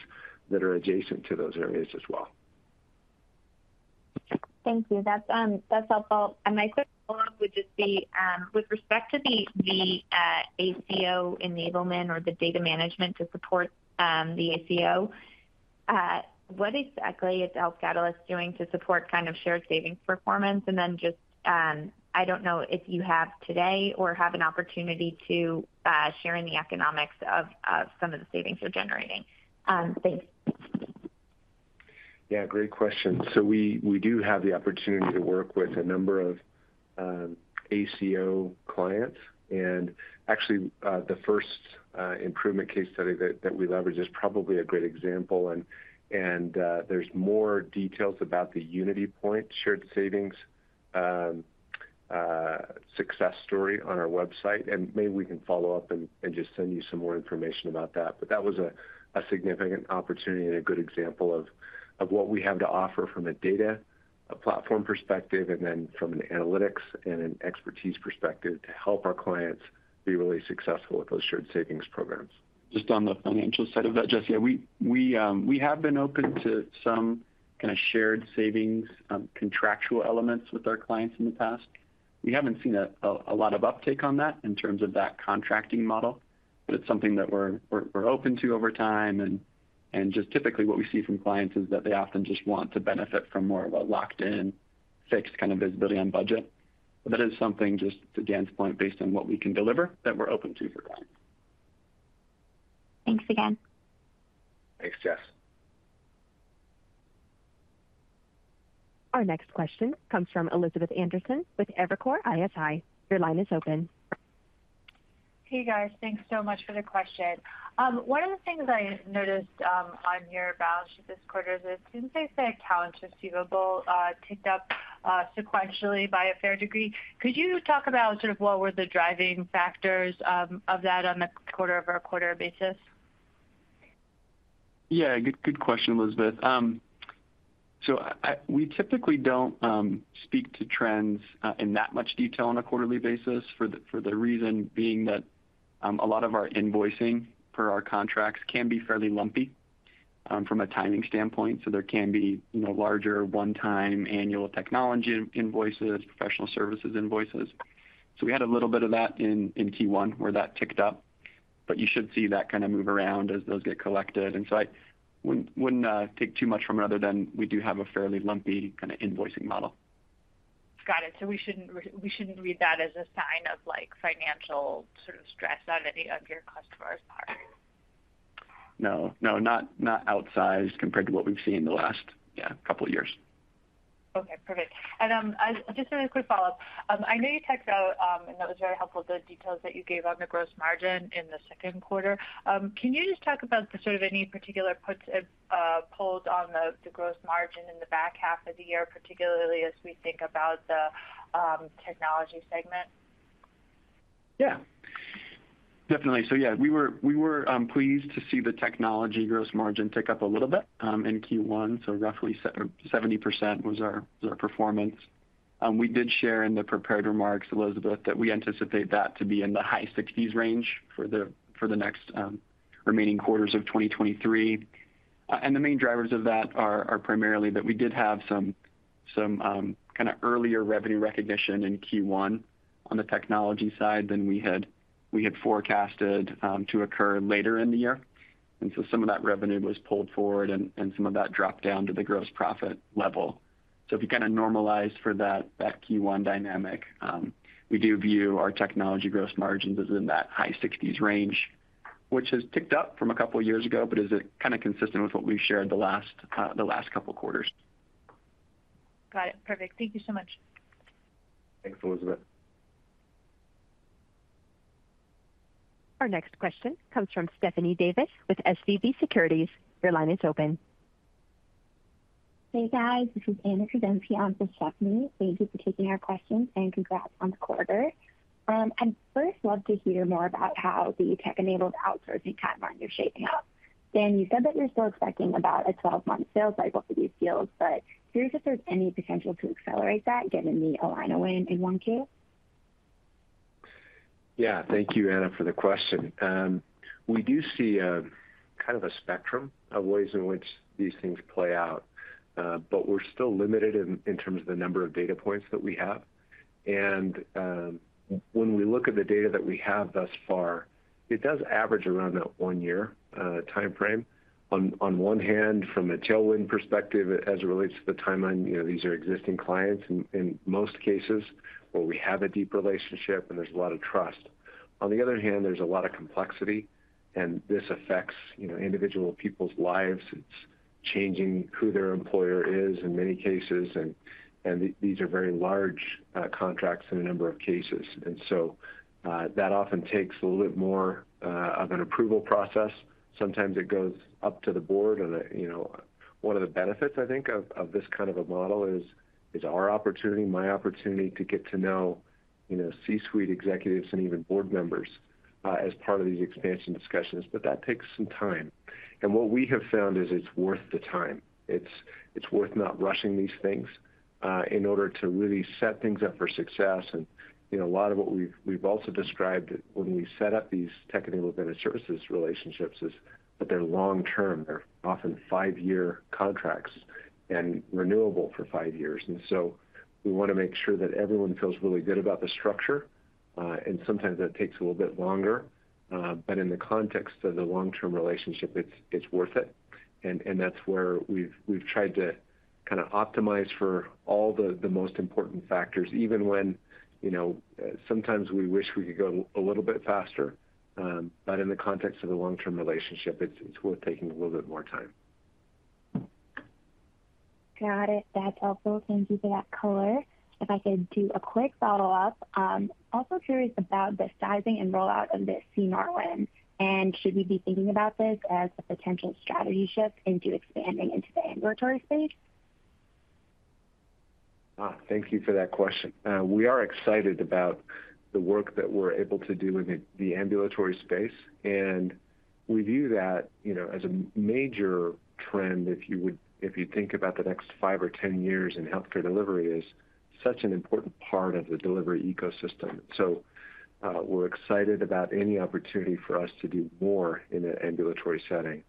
Speaker 3: that are adjacent to those areas as well.
Speaker 7: Thank you. That's, that's helpful. My quick follow-up would just be, with respect to the, ACO enablement or the data management to support, the ACO. What exactly is Health Catalyst doing to support kind of shared savings performance? Just, I don't know if you have today or have an opportunity to share in the economics of some of the savings you're generating. Thanks.
Speaker 3: Yeah, great question. We do have the opportunity to work with a number of ACO clients. Actually, the first improvement case study that we leverage is probably a great example. There's more details about the UnityPoint shared savings success story on our website. Maybe we can follow up and just send you some more information about that. That was a significant opportunity and a good example of what we have to offer from a Data Platform perspective, and then from an analytics and an expertise perspective to help our clients be really successful with those shared savings programs.
Speaker 4: Just on the financial side of that, Jess. Yeah, we have been open to some kinda shared savings, contractual elements with our clients in the past. We haven't seen a lot of uptake on that in terms of that contracting model. It's something that we're open to over time. Just typically what we see from clients is that they often just want to benefit from more of a locked in fixed kind of visibility on budget. That is something just to Dan's point, based on what we can deliver, that we're open to for clients.
Speaker 7: Thanks again.
Speaker 3: Thanks, Jess.
Speaker 1: Our next question comes from Elizabeth Anderson with Evercore ISI. Your line is open.
Speaker 8: Hey, guys. Thanks so much for the question. one of the things I noticed on your balance sheet this quarter is it seems as the accounts receivable ticked up sequentially by a fair degree. Could you talk about sort of what were the driving factors of that on a quarter-over-quarter basis?
Speaker 4: good question, Elizabeth. we typically don't speak to trends in that much detail on a quarterly basis for the reason being that, a lot of our invoicing per our contracts can be fairly lumpy from a timing standpoint. there can be, you know, larger one-time annual technology invoices, Professional Services invoices. we had a little bit of that in Q1 where that ticked up, but you should see that kind of move around as those get collected. I wouldn't take too much from it other than we do have a fairly lumpy kind of invoicing model.
Speaker 8: Got it. We shouldn't read that as a sign of like financial sort of stress on any of your customers' part?
Speaker 4: No, no, not outsized compared to what we've seen in the last, yeah, couple years.
Speaker 8: Okay, perfect. Just as a quick follow-up. I know you talked about, and that was very helpful, the details that you gave on the gross margin in the second quarter. Can you just talk about the sort of any particular puts and pulls on the gross margin in the back half of the year, particularly as we think about the technology segment?
Speaker 4: Yeah, definitely. Yeah, we were pleased to see the technology gross margin tick up a little bit in Q1, so roughly 70% was our performance. We did share in the prepared remarks, Elizabeth, that we anticipate that to be in the high 60s range for the next remaining quarters of 2023. The main drivers of that are primarily that we did have some kinda earlier revenue recognition in Q1 on the technology side than we had forecasted to occur later in the year. Some of that revenue was pulled forward and some of that dropped down to the gross profit level. If you kinda normalize for that Q1 dynamic, we do view our technology gross margins as in that high sixties range, which has ticked up from a couple years ago, but is kinda consistent with what we've shared the last couple quarters.
Speaker 8: Got it. Perfect. Thank you so much.
Speaker 3: Thanks, Elizabeth.
Speaker 1: Our next question comes from Stephanie Davis with SVB Securities. Your line is open.
Speaker 9: Hey, guys. This is Anna Kruszenski on for Stephanie. Thank you for taking our question. Congrats on the quarter. I'd first love to hear more about how the tech-enabled outsourcing timeline you're shaping up. Dan, you said that you're still expecting about a 12-month sales cycle for these deals, but curious if there's any potential to accelerate that given the Allina win in one case.
Speaker 3: Yeah. Thank you, Anna, for the question. We do see a kind of a spectrum of ways in which these things play out, but we're still limited in terms of the number of data points that we have. When we look at the data that we have thus far, it does average around that one year timeframe. On one hand, from a tailwind perspective, as it relates to the timeline, you know, these are existing clients in most cases where we have a deep relationship and there's a lot of trust. On the other hand, there's a lot of complexity, this affects, you know, individual people's lives. It's changing who their employer is in many cases. These are very large contracts in a number of cases. That often takes a little bit more of an approval process. Sometimes it goes up to the board. You know, one of the benefits I think of this kind of a model is our opportunity, my opportunity to get to know, you know, C-suite executives and even board members as part of these expansion discussions. That takes some time. What we have found is it's worth the time. It's worth not rushing these things in order to really set things up for success. You know, a lot of what we've also described when we set up these technical services relationships is that they're long term. They're often five-year contracts and renewable for five years. We wanna make sure that everyone feels really good about the structure, and sometimes that takes a little bit longer. In the context of the long-term relationship, it's worth it. That's where we've tried to kinda optimize for all the most important factors, even when, you know, sometimes we wish we could go a little bit faster. In the context of the long-term relationship, it's worth taking a little bit more time.
Speaker 9: Got it. That's helpful. Thank you for that color. If I could do a quick follow-up. Also curious about the sizing and rollout of the Sea Mar win, and should we be thinking about this as a potential strategy shift into expanding into the ambulatory space?
Speaker 3: Thank you for that question. We are excited about the work that we're able to do in the ambulatory space. We view that, you know, as a major trend, if you think about the next five or 10 years in healthcare delivery is such an important part of the delivery ecosystem. We're excited about any opportunity for us to do more in an ambulatory setting.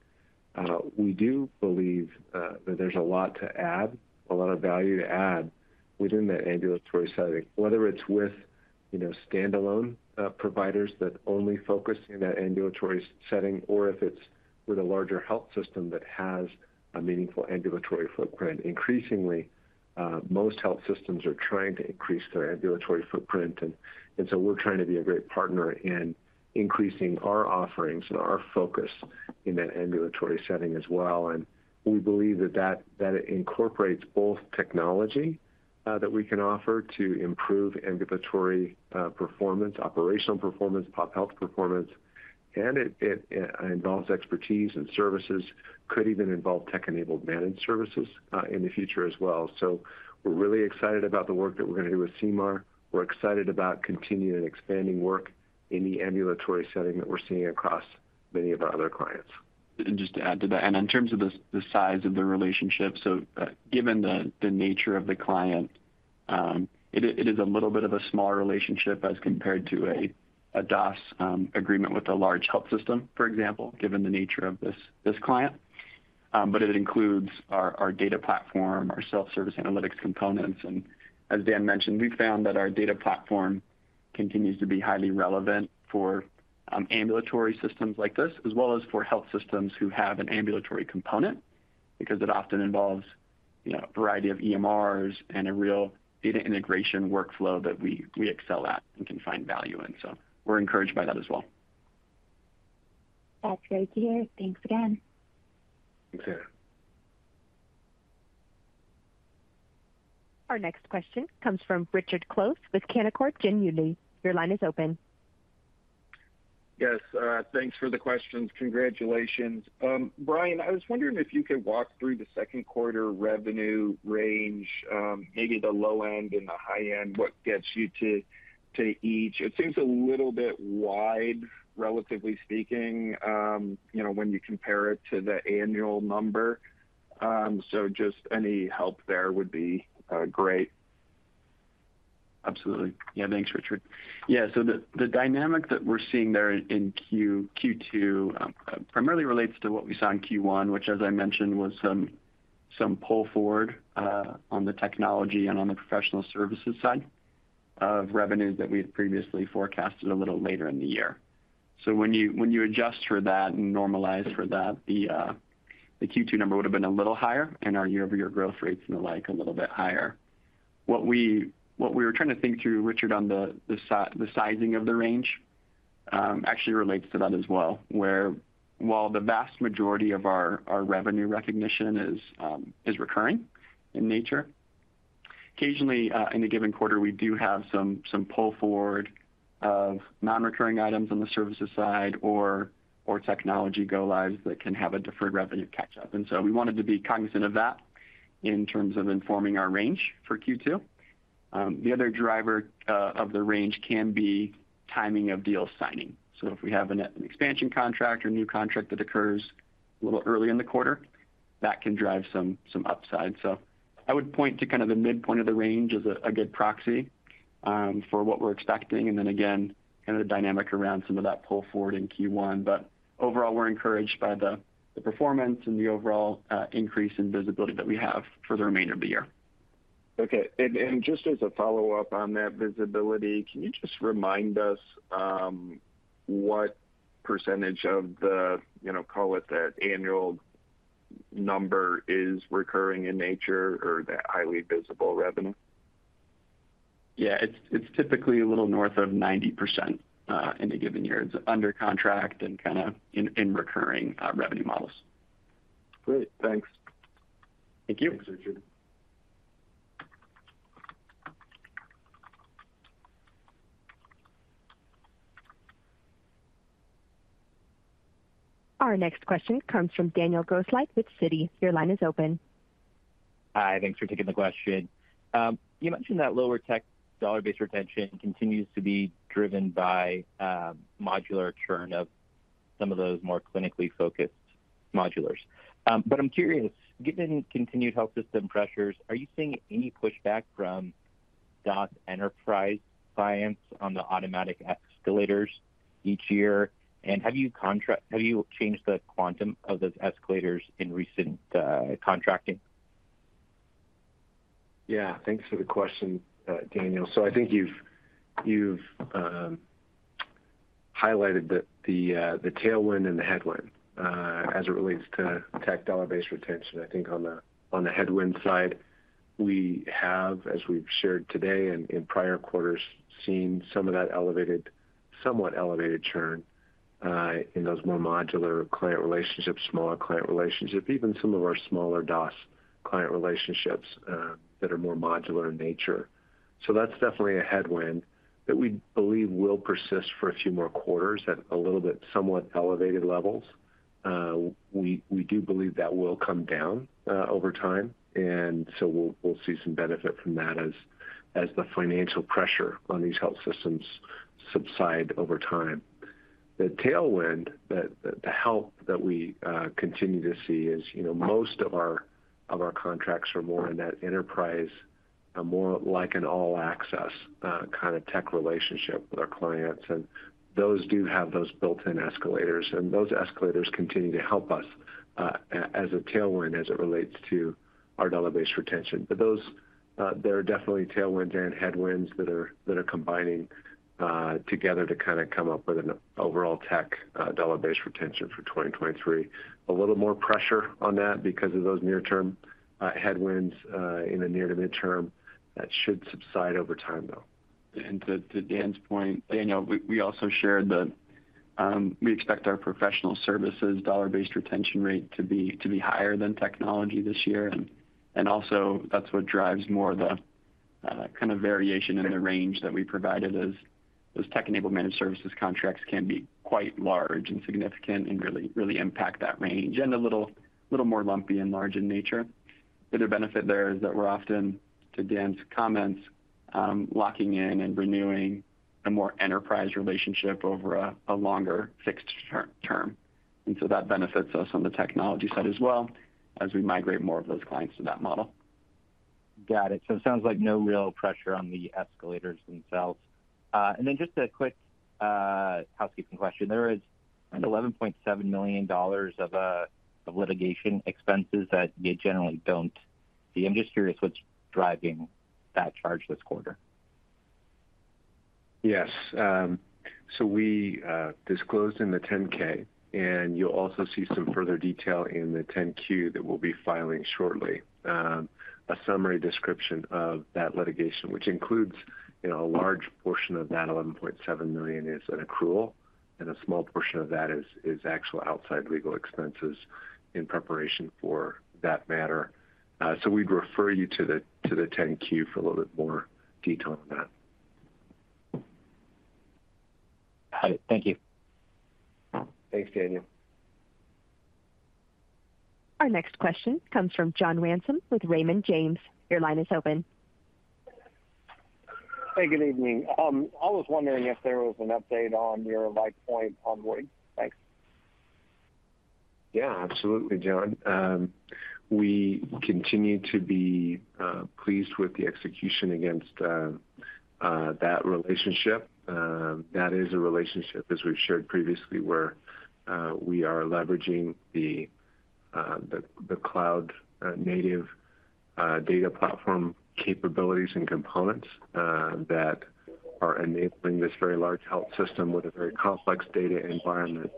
Speaker 3: We do believe that there's a lot to add, a lot of value to add within the ambulatory setting. Whether it's with, you know, standalone providers that only focus in that ambulatory setting or if it's with a larger health system that has a meaningful ambulatory footprint. Increasingly, most health systems are trying to increase their ambulatory footprint. We're trying to be a great partner in increasing our offerings and our focus in that ambulatory setting as well. We believe that it incorporates both technology that we can offer to improve ambulatory performance, operational performance, pop health performance, and it involves expertise and services, could even involve Tech-Enabled Managed Services in the future as well. We're really excited about the work that we're gonna do with Sea Mar. We're excited about continuing expanding work in the ambulatory setting that we're seeing across many of our other clients.
Speaker 4: Just to add to that. In terms of the size of the relationship, given the nature of the client, it is a little bit of a smaller relationship as compared to a DOS agreement with a large health system, for example, given the nature of this client. But it includes our Data Platform, our self-service analytics components. As Dan mentioned, we found that our Data Platform continues to be highly relevant for ambulatory systems like this, as well as for health systems who have an ambulatory component, because it often involves, you know, a variety of EMRs and a real data integration workflow that we excel at and can find value in. We're encouraged by that as well.
Speaker 9: That's great to hear. Thanks again.
Speaker 4: Thanks, Anna.
Speaker 1: Our next question comes from Richard Close with Canaccord Genuity. Your line is open.
Speaker 10: Yes. Thanks for the questions. Congratulations. Bryan, I was wondering if you could walk through the second quarter revenue range, maybe the low end and the high end, what gets you to each. It seems a little bit wide, relatively speaking, you know, when you compare it to the annual number. Just any help there would be great.
Speaker 4: Absolutely. Yeah, thanks, Richard. The dynamic that we're seeing there in Q2 primarily relates to what we saw in Q1, which as I mentioned was some pull forward on the technology and on the Professional Services side of revenues that we had previously forecasted a little later in the year. When you adjust for that and normalize for that, the Q2 number would've been a little higher and our year-over-year growth rates and the like a little bit higher. What we were trying to think through, Richard, on the sizing of the range, actually relates to that as well, where while the vast majority of our revenue recognition is recurring in nature, occasionally, in a given quarter, we do have some pull forward of non-recurring items on the services side or technology go lives that can have a deferred revenue catch up. We wanted to be cognizant of that in terms of informing our range for Q2. The other driver of the range can be timing of deal signing. If we have an expansion contract or new contract that occurs a little early in the quarter, that can drive some upside. I would point to kind of the midpoint of the range as a good proxy for what we're expecting, and then again, kind of the dynamic around some of that pull forward in Q1. Overall, we're encouraged by the performance and the overall increase in visibility that we have for the remainder of the year.
Speaker 10: Okay. Just as a follow-up on that visibility, can you just remind us, what percentage of the, you know, call it the annual number is recurring in nature or the highly visible revenue?
Speaker 4: Yeah. It's typically a little north of 90% in a given year. It's under contract and kinda in recurring revenue models.
Speaker 10: Great. Thanks.
Speaker 4: Thank you.
Speaker 3: Thanks, Richard.
Speaker 1: Our next question comes from Daniel Grosslight with Citi. Your line is open.
Speaker 11: Hi. Thanks for taking the question. You mentioned that lower tech dollar-based retention continues to be driven by modular churn of some of those more clinically focused modulars. I'm curious, given continued health system pressures, are you seeing any pushback from DOS enterprise clients on the automatic escalators each year? Have you changed the quantum of those escalators in recent contracting?
Speaker 3: Yeah, thanks for the question, Daniel. I think you've highlighted the tailwind and the headwind as it relates to tech dollar-based retention. I think on the headwind side, we have, as we've shared today and in prior quarters, seen some of that somewhat elevated churn in those more modular client relationships, smaller client relationships, even some of our smaller DOS client relationships that are more modular in nature. That's definitely a headwind that we believe will persist for a few more quarters at a little bit somewhat elevated levels. We, we do believe that will come down over time, and so we'll see some benefit from that as the financial pressure on these health systems subside over time. The tailwind, the help that we continue to see is, you know, most of our, of our contracts are more in that enterprise, more like an all-access, kind of tech relationship with our clients. Those do have those built-in escalators, and those escalators continue to help us as a tailwind as it relates to our dollar-based retention. Those, there are definitely tailwinds and headwinds that are combining together to kind of come up with an overall tech dollar-based retention for 2023. A little more pressure on that because of those near-term, headwinds, in the near to mid-term that should subside over time, though.
Speaker 4: To Dan's point, Daniel, we also shared that we expect our Professional Services dollar-based retention rate to be higher than technology this year. Also that's what drives more of the kind of variation in the range that we provided as those Tech-Enabled Managed Services contracts can be quite large and significant and really impact that range, and a little more lumpy and large in nature. The benefit there is that we're often, to Dan's comments, locking in and renewing a more enterprise relationship over a longer fixed term. That benefits us on the technology side as well as we migrate more of those clients to that model.
Speaker 11: Got it. It sounds like no real pressure on the escalators themselves. Just a quick housekeeping question. There is an $11.7 million of litigation expenses that you generally don't see. I'm just curious what's driving that charge this quarter.
Speaker 3: Yes. We disclosed in the Form 10-K. You'll also see some further detail in the Form 10-Q that we'll be filing shortly. A summary description of that litigation, which includes, you know, a large portion of that $11.7 million is an accrual. A small portion of that is actual outside legal expenses in preparation for that matter. We'd refer you to the Form 10-Q for a little bit more detail on that.
Speaker 11: Got it. Thank you.
Speaker 3: Thanks, Daniel.
Speaker 1: Our next question comes from John Ransom with Raymond James. Your line is open.
Speaker 12: Hey, good evening. I was wondering if there was an update on your LifePoint onboarding. Thanks.
Speaker 3: Yeah, absolutely, John. We continue to be pleased with the execution against that relationship. That is a relationship, as we've shared previously, where we are leveraging the cloud native Data Platform capabilities and components that are enabling this very large health system with a very complex data environment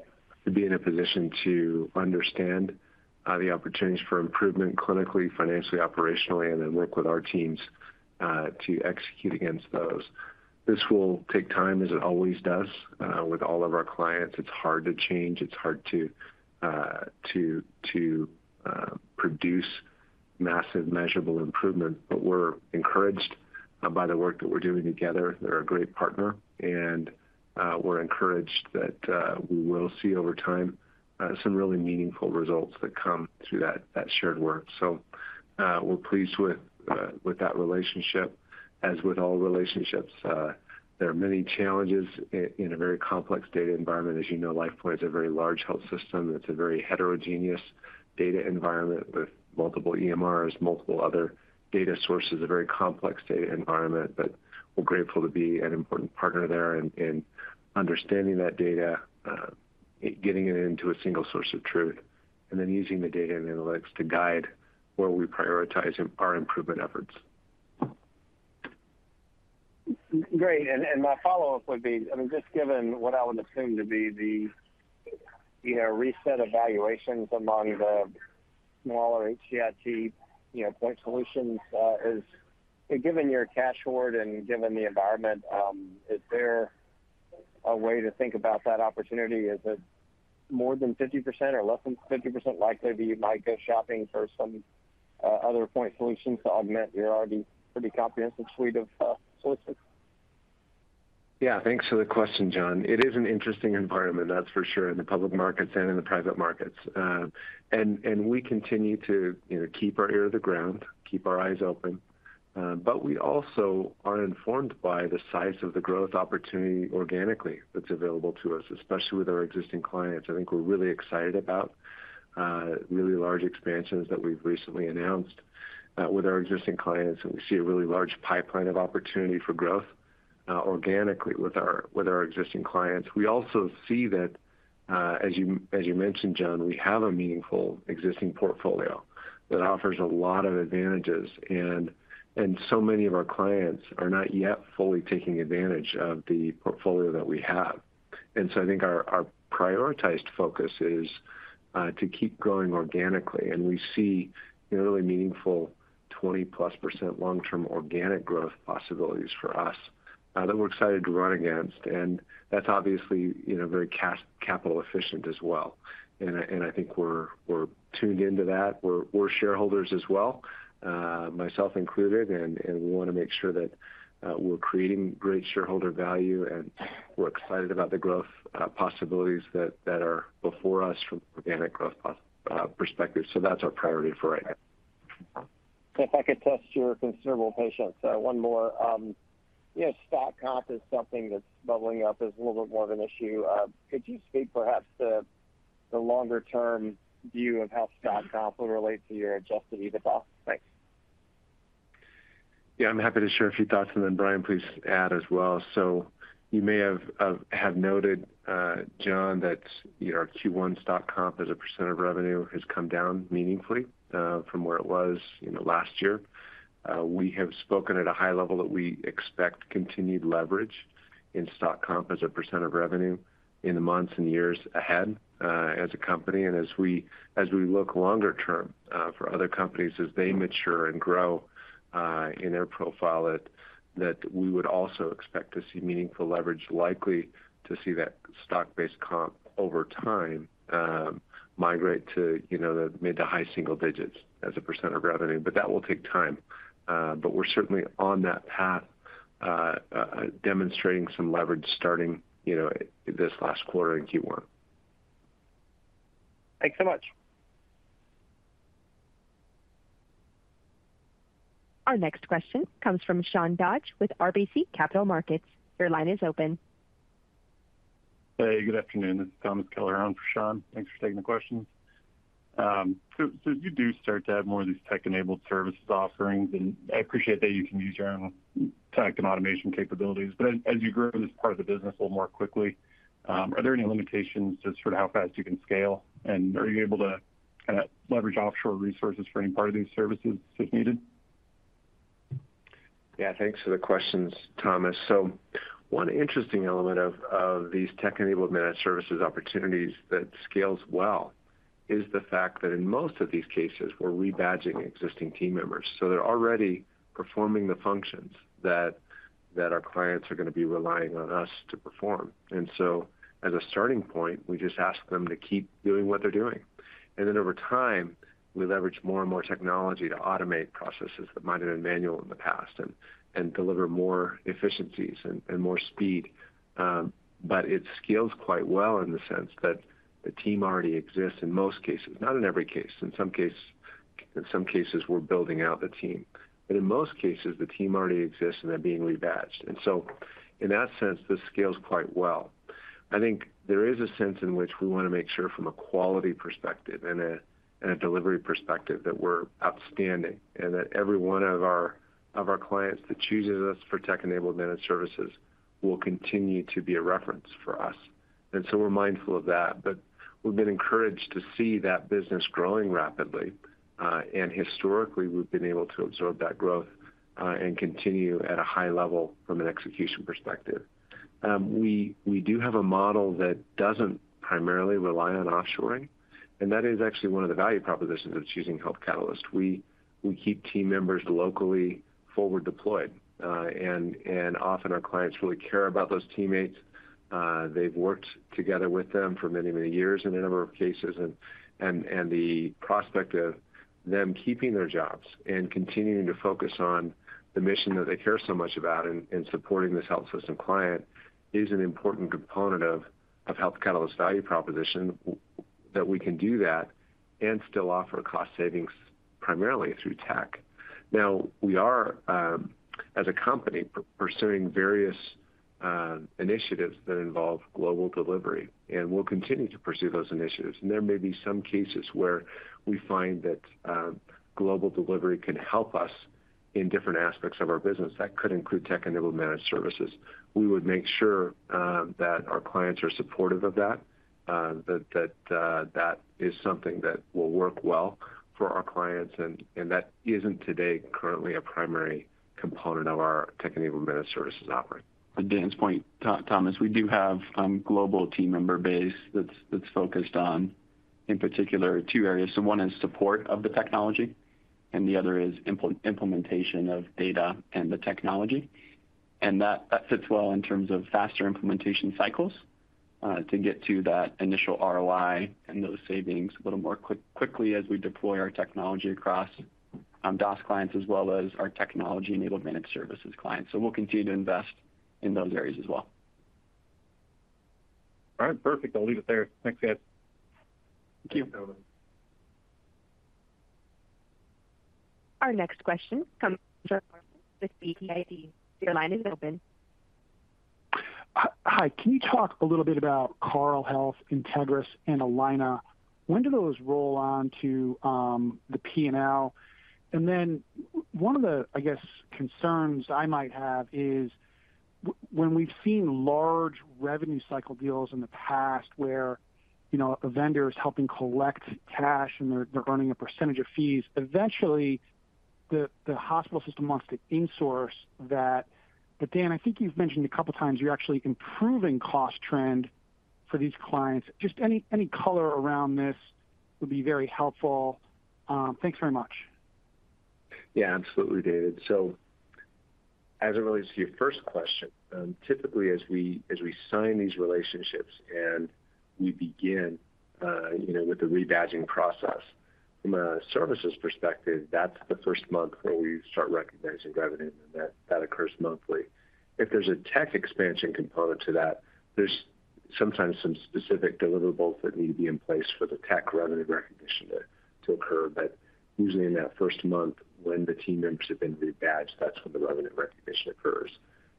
Speaker 3: to be in a position to understand the opportunities for improvement clinically, financially, operationally, and then work with our teams to execute against those. This will take time, as it always does with all of our clients. It's hard to change. It's hard to produce massive measurable improvement. We're encouraged by the work that we're doing together. They're a great partner. We're encouraged that we will see over time some really meaningful results that come through that shared work. We're pleased with that relationship. As with all relationships, there are many challenges in a very complex data environment. As you know, LifePoint is a very large health system. It's a very heterogeneous data environment with multiple EMRs, multiple other data sources, a very complex data environment. We're grateful to be an important partner there in understanding that data, getting it into a single source of truth, and then using the data and analytics to guide where we prioritize our improvement efforts.
Speaker 12: Great. My follow-up would be, I mean, just given what I would assume to be the, you know, reset evaluations among the smaller HIT, you know, point solutions, is given your cash hoard and given the environment, is there a way to think about that opportunity? Is it more than 50% or less than 50% likely that you might go shopping for some other point solutions to augment your already pretty comprehensive suite of solutions?
Speaker 3: Yeah. Thanks for the question, John. It is an interesting environment, that's for sure, in the public markets and in the private markets. we continue to, you know, keep our ear to the ground, keep our eyes open. we also are informed by the size of the growth opportunity organically that's available to us, especially with our existing clients. I think we're really excited about really large expansions that we've recently announced with our existing clients, and we see a really large pipeline of opportunity for growth. Uh, organically with our existing clients. We also see that as you mentioned, John, we have a meaningful existing portfolio that offers a lot of advantages, so many of our clients are not yet fully taking advantage of the portfolio that we have. I think our prioritized focus is to keep growing organically. We see, you know, really meaningful 20%+ long-term organic growth possibilities for us that we're excited to run against. That's obviously, you know, very capital efficient as well. I think we're tuned into that. We're shareholders as well, myself included, we wanna make sure that we're creating great shareholder value, and we're excited about the growth possibilities that are before us from organic growth perspective. That's our priority for right now.
Speaker 12: If I could test your considerable patience, one more. You know, stock comp is something that's bubbling up as a little bit more of an issue. Could you speak perhaps to the longer term view of how stock comp will relate to your Adjusted EBITDA? Thanks.
Speaker 3: Yeah. I'm happy to share a few thoughts, and then Bryan, please add as well. You may have noted, John, that our Q1 stock comp as a % of revenue has come down meaningfully from where it was last year. We have spoken at a high level that we expect continued leverage in stock comp as a % of revenue in the months and years ahead as a company. As we look longer term, for other companies as they mature and grow in their profile, that we would also expect to see meaningful leverage, likely to see that stock-based comp over time migrate to the mid to high single digits as a % of revenue. That will take time. We're certainly on that path, demonstrating some leverage starting, you know, this last quarter in Q1.
Speaker 12: Thanks so much.
Speaker 1: Our next question comes from Sean Dodge with RBC Capital Markets. Your line is open.
Speaker 13: Hey, good afternoon. This is Thomas Kelliher on for Sean. Thanks for taking the questions. You do start to have more of these tech-enabled service offerings, and I appreciate that you can use your own tech and automation capabilities. As you grow this part of the business a little more quickly, are there any limitations to sort of how fast you can scale? Are you able to kinda leverage offshore resources for any part of these services if needed?
Speaker 3: Yeah. Thanks for the questions, Thomas. One interesting element of these Tech-Enabled Managed Services opportunities that scales well is the fact that in most of these cases, we're rebadging existing team members. They're already performing the functions that our clients are gonna be relying on us to perform. As a starting point, we just ask them to keep doing what they're doing. Over time, we leverage more and more technology to automate processes that might have been manual in the past and deliver more efficiencies and more speed. It scales quite well in the sense that the team already exists in most cases. Not in every case. In some cases, we're building out the team. In most cases, the team already exists, and they're being rebadged. In that sense, this scales quite well. I think there is a sense in which we wanna make sure from a quality perspective and a delivery perspective that we're outstanding, and that every one of our clients that chooses us for Tech-Enabled Managed Services will continue to be a reference for us. We're mindful of that, but we've been encouraged to see that business growing rapidly. Historically, we've been able to absorb that growth and continue at a high level from an execution perspective. We do have a model that doesn't primarily rely on offshoring, and that is actually one of the value propositions of choosing Health Catalyst. We keep team members locally forward deployed. Often our clients really care about those teammates. They've worked together with them for many, many years in a number of cases. The prospect of them keeping their jobs and continuing to focus on the mission that they care so much about in supporting this health system client is an important component of Health Catalyst's value proposition that we can do that and still offer cost savings primarily through tech. We are, as a company, pursuing various initiatives that involve global delivery, and we'll continue to pursue those initiatives. There may be some cases where we find that global delivery can help us in different aspects of our business. That could include Tech-Enabled Managed Services. We would make sure that our clients are supportive of that is something that will work well for our clients. That isn't today currently a primary component of our Tech-Enabled Managed Services offering.
Speaker 4: To Dan's point, Thomas, we do have a global team member base that's focused on, in particular, two areas. One is support of the technology, and the other is implementation of data and the technology. That fits well in terms of faster implementation cycles to get to that initial ROI and those savings a little more quickly as we deploy our technology across DOS clients as well as our Tech-Enabled Managed Services clients. We'll continue to invest in those areas as well.
Speaker 13: All right. Perfect. I'll leave it there. Thanks, guys.
Speaker 3: Thank you.
Speaker 1: Our next question comes from David Larsen with BTIG. Your line is open.
Speaker 14: Hi. Can you talk a little bit about Carle Health, INTEGRIS Health, and Allina Health? When do those roll on to the P&L? Then one of the, I guess, concerns I might have is when we've seen large revenue cycle deals in the past where, you know, a vendor is helping collect cash and they're earning a % of fees, eventually the hospital system wants to insource that. Dan, I think you've mentioned a couple times you're actually improving cost trend for these clients. Just any color around this would be very helpful. Thanks very much.
Speaker 3: Yeah, absolutely, David. As it relates to your first question, typically, as we sign these relationships and we begin, you know, with the rebadging process, from a services perspective, that's the first month where we start recognizing revenue, and that occurs monthly. If there's a tech expansion component to that, there's sometimes some specific deliverables that need to be in place for the tech revenue recognition to occur. Usually in that first month when the team members have been rebadged, that's when the revenue recognition occurs.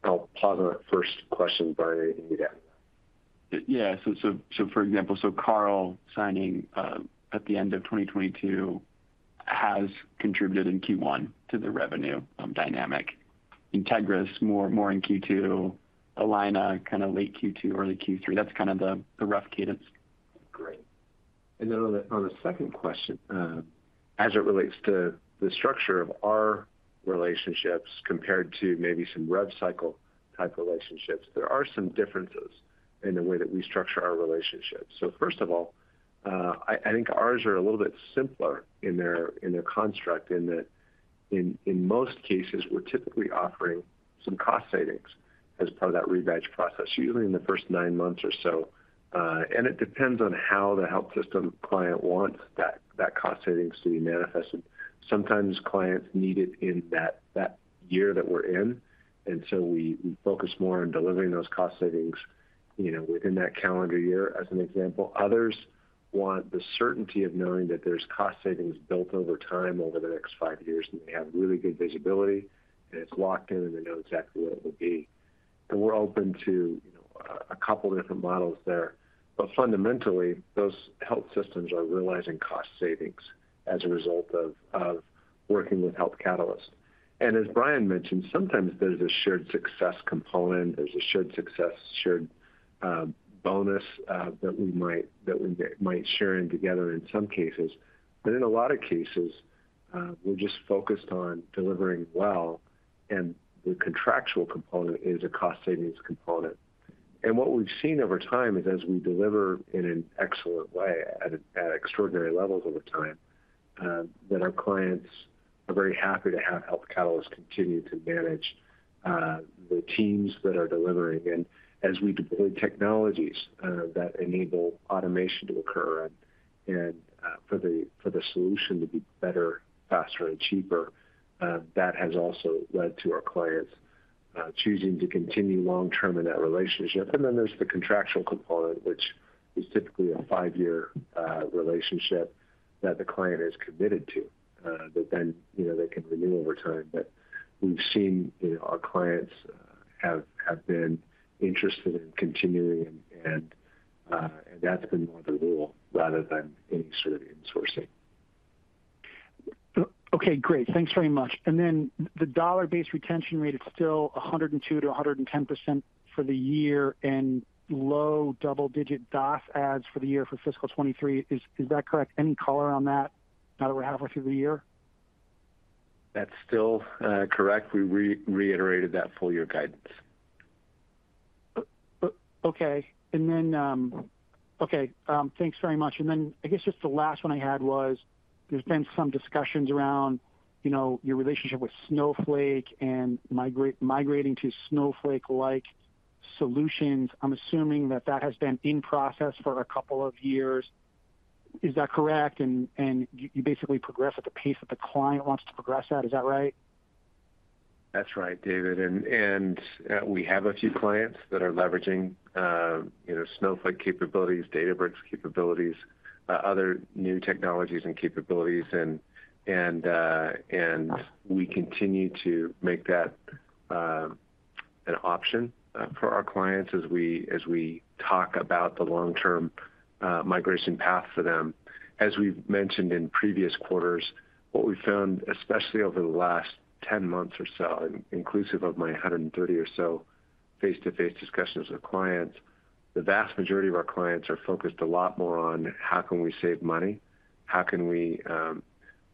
Speaker 3: I'll pause on that first question, Bryan, anything to add?
Speaker 4: For example, Carle signing at the end of 2022 has contributed in Q1 to the revenue dynamic. INTEGRIS, more in Q2. Allina, kind of late Q2, early Q3. That's kind of the rough cadence.
Speaker 3: Great. On the second question, as it relates to the structure of our relationships compared to maybe some rev cycle type relationships, there are some differences in the way that we structure our relationships. First of all, I think ours are a little bit simpler in their construct in that in most cases, we're typically offering some cost savings as part of that rebadge process, usually in the first nine months or so. It depends on how the health system client wants that cost savings to be manifested. Sometimes clients need it in that year that we're in, we focus more on delivering those cost savings, you know, within that calendar year as an example. Others want the certainty of knowing that there's cost savings built over time over the next five years, and they have really good visibility, and it's locked in, and they know exactly what it will be. We're open to a couple different models there. Fundamentally, those health systems are realizing cost savings as a result of working with Health Catalyst. As Bryan mentioned, sometimes there's a shared success component. There's a shared success, shared bonus that we might share in together in some cases. In a lot of cases, we're just focused on delivering well, and the contractual component is a cost savings component. What we've seen over time is as we deliver in an excellent way at extraordinary levels over time, that our clients are very happy to have Health Catalyst continue to manage the teams that are delivering. As we deploy technologies that enable automation to occur and for the solution to be better, faster, and cheaper, that has also led to our clients choosing to continue long term in that relationship. There's the contractual component, which is typically a five-year relationship that the client is committed to, that then, you know, they can renew over time. We've seen, you know, our clients have been interested in continuing and that's been more the rule rather than any sort of insourcing.
Speaker 14: Okay, great. Thanks very much. Then the dollar-based retention rate is still 102%-110% for the year and low double-digit DOS adds for the year for fiscal 2023. Is that correct? Any color on that now that we're halfway through the year?
Speaker 3: That's still, correct. We reiterated that full year guidance.
Speaker 14: Okay. Okay, thanks very much. I guess just the last one I had was there's been some discussions around, you know, your relationship with Snowflake and migrating to Snowflake-like solutions. I'm assuming that that has been in process for a couple of years. Is that correct? You basically progress at the pace that the client wants to progress at. Is that right?
Speaker 3: That's right, David. We have a few clients that are leveraging, you know, Snowflake capabilities, Databricks capabilities, other new technologies and capabilities and we continue to make that an option for our clients as we talk about the long-term migration path for them. As we've mentioned in previous quarters, what we found, especially over the last 10 months or so, inclusive of my 130 or so face-to-face discussions with clients, the vast majority of our clients are focused a lot more on how can we save money, how can we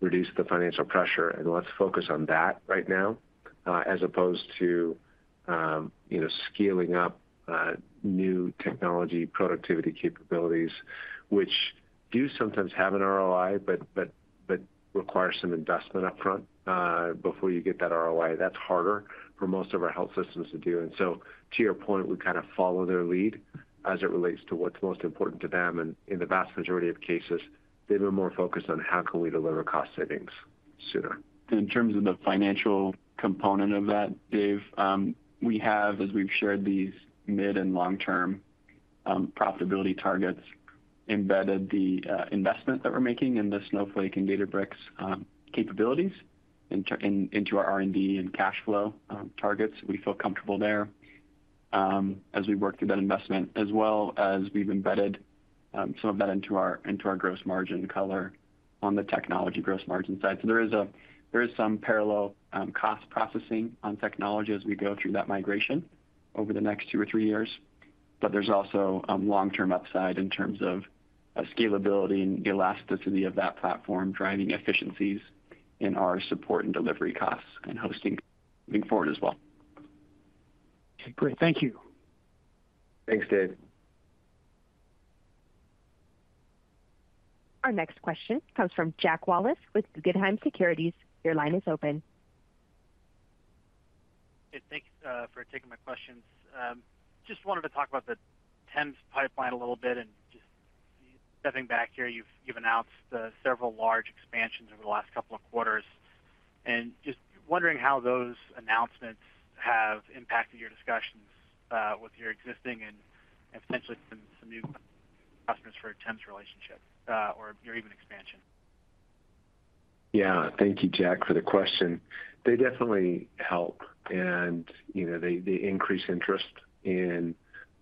Speaker 3: reduce the financial pressure, and let's focus on that right now, as opposed to, you know, scaling up new technology productivity capabilities, which do sometimes have an ROI but require some investment upfront, before you get that ROI. That's harder for most of our health systems to do. So to your point, we kind of follow their lead as it relates to what's most important to them, and in the vast majority of cases, they've been more focused on how can we deliver cost savings sooner.
Speaker 4: In terms of the financial component of that, Dave, we have, as we've shared these mid and long term profitability targets embedded the investment that we're making in the Snowflake and Databricks capabilities into our R&D and cash flow targets. We feel comfortable there as we work through that investment. As well as we've embedded some of that into our gross margin color on the technology gross margin side. There is some parallel cost processing on technology as we go through that migration over the next two or three years. There's also long-term upside in terms of scalability and elasticity of that platform driving efficiencies in our support and delivery costs and hosting moving forward as well.
Speaker 14: Okay, great. Thank you.
Speaker 4: Thanks, David.
Speaker 1: Our next question comes from Jack Wallace with Guggenheim Securities. Your line is open.
Speaker 15: Hey, thanks for taking my questions. Just wanted to talk about the TEMS pipeline a little bit and just stepping back here. You've announced the several large expansions over the last couple of quarters. Just wondering how those announcements have impacted your discussions with your existing and potentially some new customers for a TEMS relationship or your even expansion.
Speaker 3: Yeah. Thank you, Jack, for the question. They definitely help and, you know, they increase interest in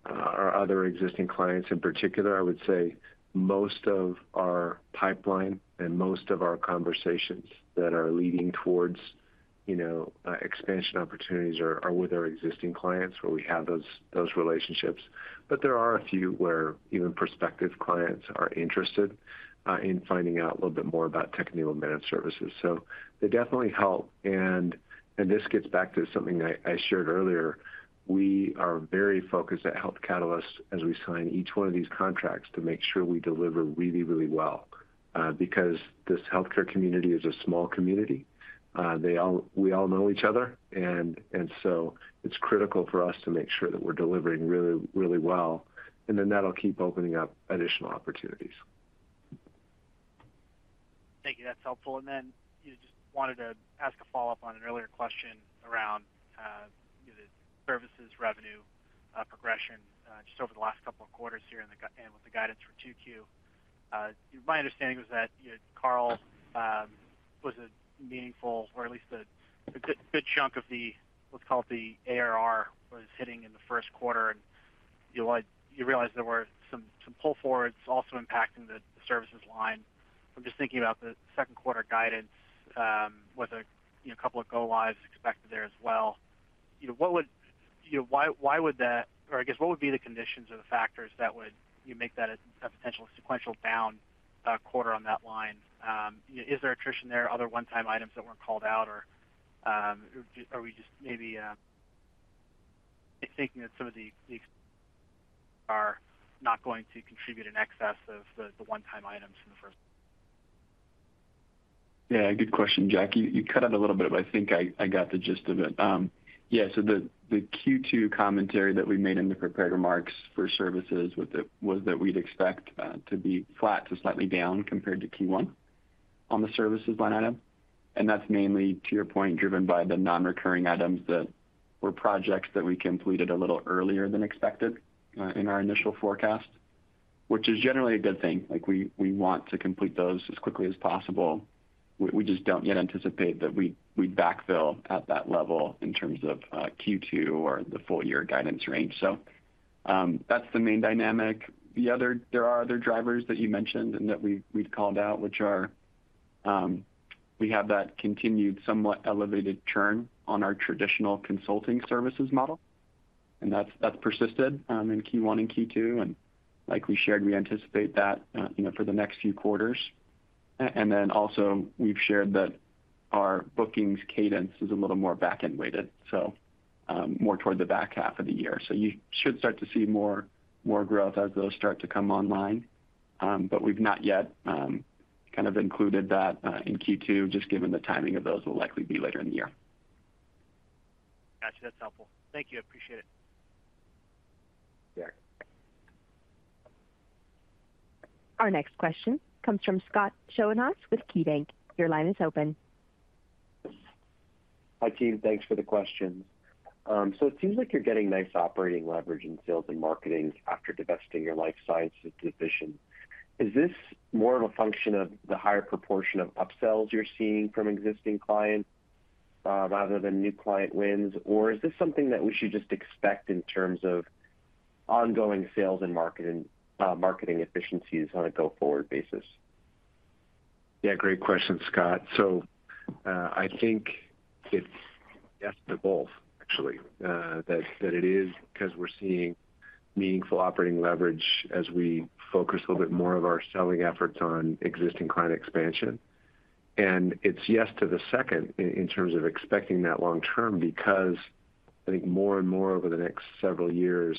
Speaker 3: our other existing clients. In particular, I would say most of our pipeline and most of our conversations that are leading towards, you know, expansion opportunities are with our existing clients where we have those relationships. There are a few where even prospective clients are interested in finding out a little bit more about technical managed services. They definitely help and this gets back to something I shared earlier. We are very focused at Health Catalyst as we sign each one of these contracts to make sure we deliver really well because this healthcare community is a small community. we all know each other and so it's critical for us to make sure that we're delivering really well, and then that'll keep opening up additional opportunities.
Speaker 15: Thank you. That's helpful. Then just wanted to ask a follow-up on an earlier question around the services revenue progression just over the last couple of quarters here and with the guidance for 2Q. My understanding was that, you know, Carle was a meaningful or at least a good chunk of the, what's called the ARR was hitting in the first quarter, and you realized there were some pull forwards also impacting the services line. I'm just thinking about the second quarter guidance, with a, you know, couple of go lives expected there as well. You know, what would, you know, why would that or I guess, what would be the conditions or the factors that would you make that a potential sequential down quarter on that line? is there attrition there, other one-time items that weren't called out or, are we just maybe, thinking that some of the are not going to contribute in excess of the one-time items in the first?
Speaker 4: Yeah, good question, Jack. You cut out a little bit, but I got the gist of it. Yeah, the Q2 commentary that we made in the prepared remarks for services was that we'd expect to be flat to slightly down compared to Q1 on the services line item. That's mainly to your point, driven by the non-recurring items that were projects that we completed a little earlier than expected in our initial forecast, which is generally a good thing. Like, we want to complete those as quickly as possible. We just don't yet anticipate that we backfill at that level in terms of Q2 or the full year guidance range. That's the main dynamic. There are other drivers that you mentioned and that we'd called out, which are, we have that continued somewhat elevated churn on our traditional consulting services model, and that's persisted in Q1 and Q2. Like we shared, we anticipate that, you know, for the next few quarters. Also we've shared that our bookings cadence is a little more back-end weighted, more toward the back half of the year. You should start to see more growth as those start to come online. We've not yet kind of included that in Q2, just given the timing of those will likely be later in the year.
Speaker 15: Got you. That's helpful. Thank you. I appreciate it.
Speaker 4: Yeah.
Speaker 1: Our next question comes from Scott Schoenhaus with KeyBanc. Your line is open.
Speaker 16: Hi, team. Thanks for the questions. It seems like you're getting nice operating leverage in sales and marketing after divesting your life sciences division. Is this more of a function of the higher proportion of upsells you're seeing from existing clients, rather than new client wins? Is this something that we should just expect in terms of ongoing sales and marketing efficiencies on a go-forward basis?
Speaker 3: Yeah, great question, Scott. I think it's yes to both actually, that it is 'cause we're seeing meaningful operating leverage as we focus a little bit more of our selling efforts on existing client expansion. It's yes to the second in terms of expecting that long term, because I think more and more over the next several years,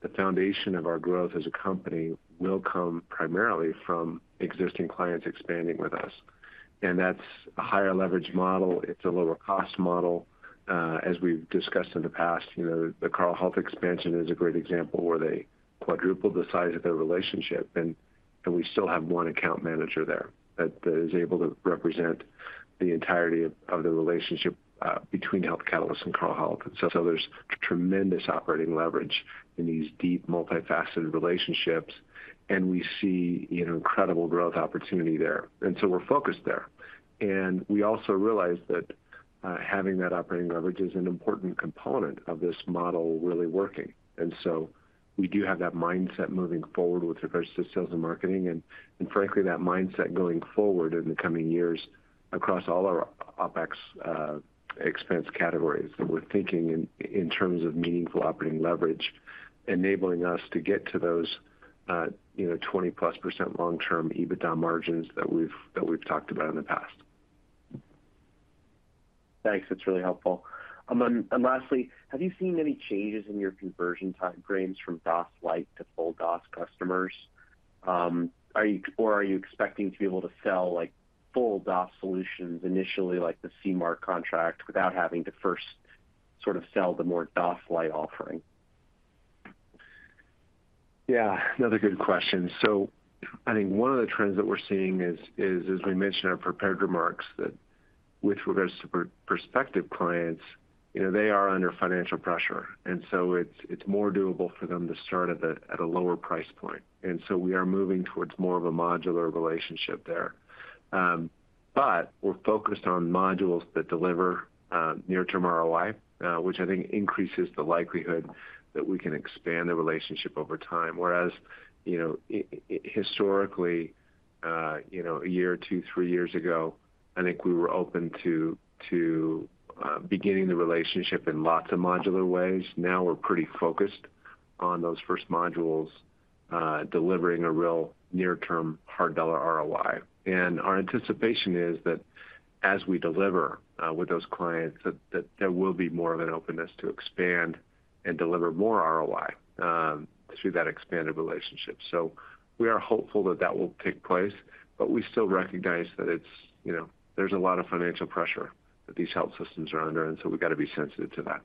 Speaker 3: the foundation of our growth as a company will come primarily from existing clients expanding with us. That's a higher leverage model. It's a lower cost model. As we've discussed in the past, you know, the Carle Health expansion is a great example where they quadrupled the size of their relationship and We still have one account manager there that is able to represent the entirety of the relationship between Health Catalyst and Carle Health. So there's tremendous operating leverage in these deep multifaceted relationships, and we see, you know, incredible growth opportunity there. So we're focused there. We also realize that having that operating leverage is an important component of this model really working. So we do have that mindset moving forward with respect to sales and marketing and frankly, that mindset going forward in the coming years across all our OpEx expense categories. That we're thinking in terms of meaningful operating leverage, enabling us to get to those, you know, 20%+ long-term EBITDA margins that we've talked about in the past.
Speaker 16: Thanks. That's really helpful. Lastly, have you seen any changes in your conversion timeframes from DOS Lite to full DOS customers? Are you expecting to be able to sell like full DOS solutions initially like the Sea Mar contract without having to first sort of sell the more DOS Lite offering?
Speaker 3: Yeah, another good question. I think one of the trends that we're seeing is as we mentioned in our prepared remarks, that with regards to prospective clients, you know, they are under financial pressure, and it's more doable for them to start at a lower price point. We are moving towards more of a modular relationship there. We're focused on modules that deliver near-term ROI, which I think increases the likelihood that we can expand the relationship over time. Whereas, you know, historically, you know, one or two, three years ago, I think we were open to beginning the relationship in lots of modular ways. Now we're pretty focused on those first modules delivering a real near-term hard dollar ROI. Our anticipation is that as we deliver with those clients, that there will be more of an openness to expand and deliver more ROI through that expanded relationship. We are hopeful that that will take place, but we still recognize that it's, you know, there's a lot of financial pressure that these health systems are under, and so we've got to be sensitive to that.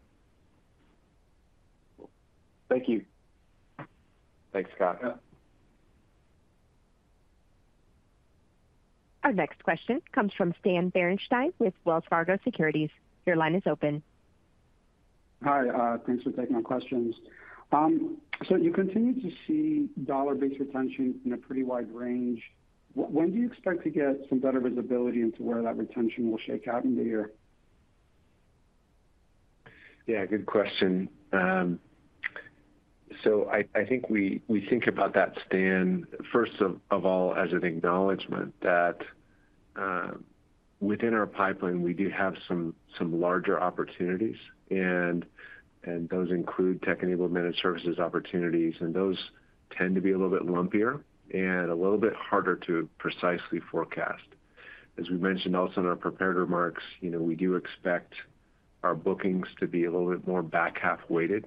Speaker 16: Thank you.
Speaker 3: Thanks, Scott.
Speaker 16: Yeah.
Speaker 1: Our next question comes from Stan Berenshteyn with Wells Fargo Securities. Your line is open.
Speaker 17: Hi. Thanks for taking my questions. You continue to see dollar-based retention in a pretty wide range. When do you expect to get some better visibility into where that retention will shake out in the year?
Speaker 3: Yeah, good question. I think we think about that, Stan, first of all as an acknowledgment that within our pipeline, we do have some larger opportunities, and those include Tech-Enabled Managed Services opportunities, and those tend to be a little bit lumpier and a little bit harder to precisely forecast. As we mentioned also in our prepared remarks, you know, we do expect our bookings to be a little bit more back-half weighted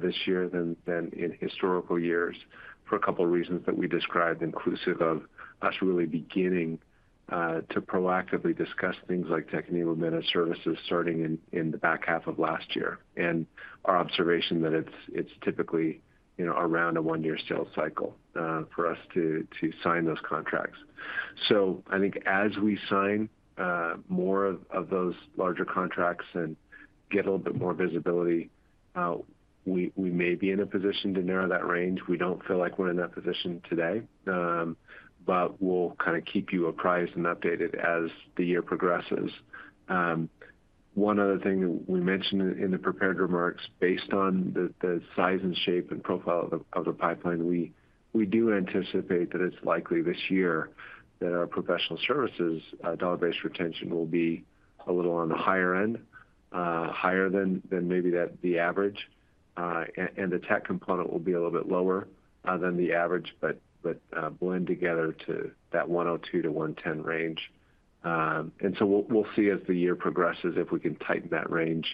Speaker 3: this year than in historical years for a couple of reasons that we described, inclusive of us really beginning to proactively discuss things like Tech-Enabled Managed Services starting in the back half of last year. Our observation that it's typically, you know, around a one-year sales cycle for us to sign those contracts. I think as we sign more of those larger contracts and get a little bit more visibility, we may be in a position to narrow that range. We don't feel like we're in that position today, but we'll kind of keep you apprised and updated as the year progresses. One other thing that we mentioned in the prepared remarks, based on the size and shape and profile of the pipeline, we do anticipate that it's likely this year that our Professional Services dollar-based retention will be a little on the higher end, higher than maybe the average. The tech component will be a little bit lower than the average, blend together to that 102%-110% range. We'll see as the year progresses if we can tighten that range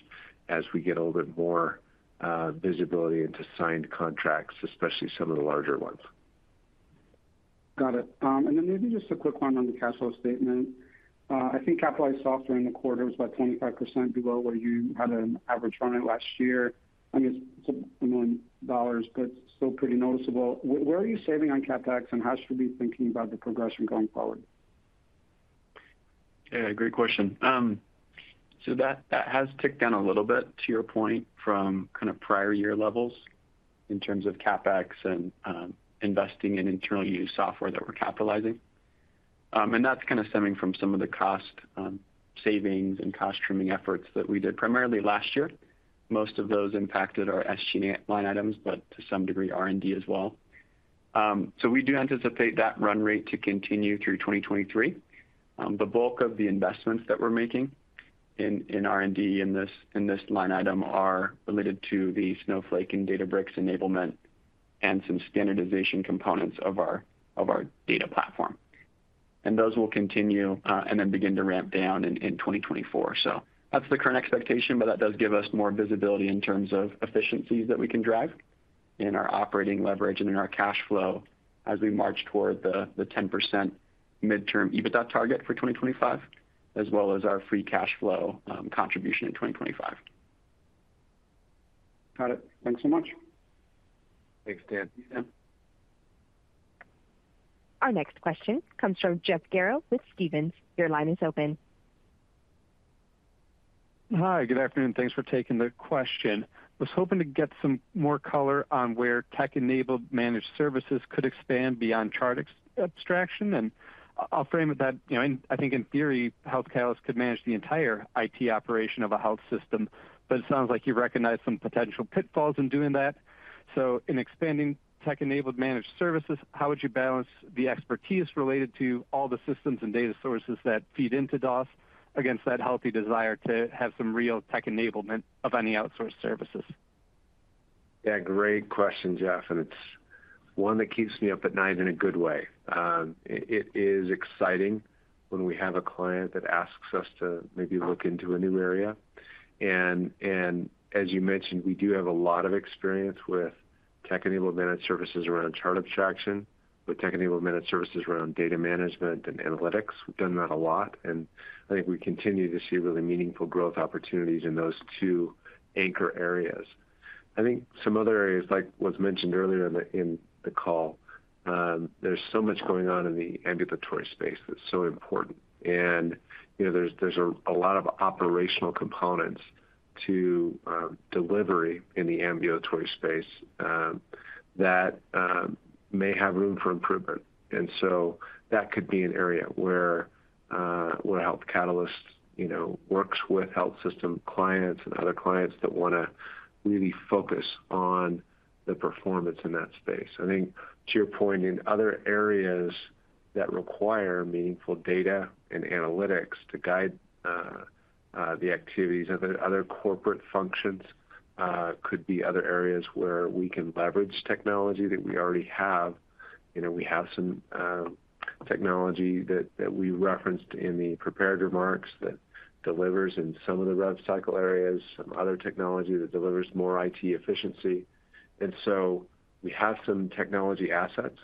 Speaker 3: as we get a little bit more visibility into signed contracts, especially some of the larger ones.
Speaker 17: Got it. Maybe just a quick one on the cash flow statement. I think capitalized software in the quarter was about 25% below where you had an average run rate last year. I mean, it's $1 million, but still pretty noticeable. Where are you saving on CapEx, and how should we be thinking about the progression going forward?
Speaker 3: Yeah, great question. That has ticked down a little bit to your point from kind of prior year levels in terms of CapEx and investing in internal use software that we're capitalizing. That's kind of stemming from some of the cost savings and cost trimming efforts that we did primarily last year. Most of those impacted our SG&A line items, but to some degree, R&D as well. We do anticipate that run rate to continue through 2023. The bulk of the investments that we're making in R&D in this line item are related to the Snowflake and Databricks enablement and some standardization components of our Data Platform. Those will continue and then begin to ramp down in 2024. That's the current expectation, but that does give us more visibility in terms of efficiencies that we can drive in our operating leverage and in our cash flow as we march toward the 10% midterm EBITDA target for 2025, as well as our free cash flow contribution in 2025.
Speaker 17: Got it. Thanks so much.
Speaker 3: Thanks, Dan.
Speaker 15: Yeah.
Speaker 1: Our next question comes from Jeff Garro with Stephens. Your line is open.
Speaker 18: Hi. Good afternoon. Thanks for taking the question. Was hoping to get some more color on where Tech-Enabled Managed Services could expand beyond chart ex-abstraction? I'll frame it that, you know, I think in theory, Health Catalyst could manage the entire IT operation of a health system, but it sounds like you recognize some potential pitfalls in doing that. In expanding Tech-Enabled Managed Services, how would you balance the expertise related to all the systems and data sources that feed into DOS against that healthy desire to have some real tech enablement of any outsourced services?
Speaker 3: Great question, Jeff, and it's one that keeps me up at night in a good way. It is exciting when we have a client that asks us to maybe look into a new area. As you mentioned, we do have a lot of experience with Tech-Enabled Managed Services around chart abstraction, with Tech-Enabled Managed Services around data management and analytics. We've done that a lot, and I think we continue to see really meaningful growth opportunities in those two anchor areas. I think some other areas, like was mentioned earlier in the call, there's so much going on in the ambulatory space that's so important. You know, there's a lot of operational components to delivery in the ambulatory space that may have room for improvement. And so that could be an area where Health Catalyst, you know, works with health system clients and other clients that wanna really focus on the performance in that space. I think to your point, in other areas that require meaningful data and analytics to guide the activities of other corporate functions, could be other areas where we can leverage technology that we already have. You know, we have some technology that we referenced in the prepared remarks that delivers in some of the rev cycle areas, some other technology that delivers more IT efficiency. We have some technology assets.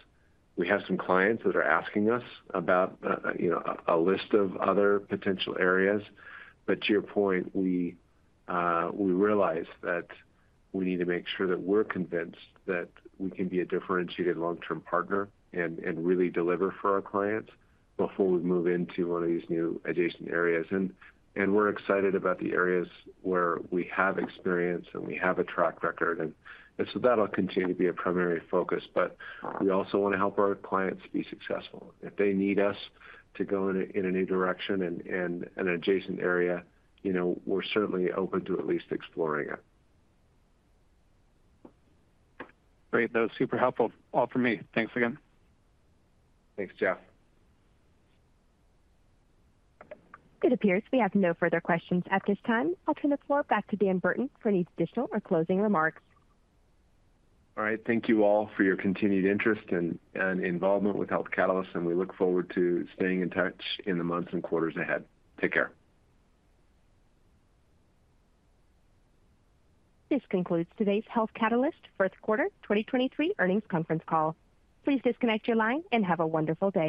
Speaker 3: We have some clients that are asking us about, you know, a list of other potential areas. To your point, we realize that we need to make sure that we're convinced that we can be a differentiated long-term partner and really deliver for our clients before we move into one of these new adjacent areas. We're excited about the areas where we have experience and we have a track record. So that'll continue to be a primary focus, but we also wanna help our clients be successful. If they need us to go in a new direction in an adjacent area, you know, we're certainly open to at least exploring it.
Speaker 18: Great. That was super helpful. All from me. Thanks again.
Speaker 3: Thanks, Jeff.
Speaker 1: It appears we have no further questions at this time. I'll turn the floor back to Dan Burton for any additional or closing remarks.
Speaker 3: All right. Thank you all for your continued interest and involvement with Health Catalyst. We look forward to staying in touch in the months and quarters ahead. Take care.
Speaker 1: This concludes today's Health Catalyst first quarter 2023 earnings conference call. Please disconnect your line and have a wonderful day.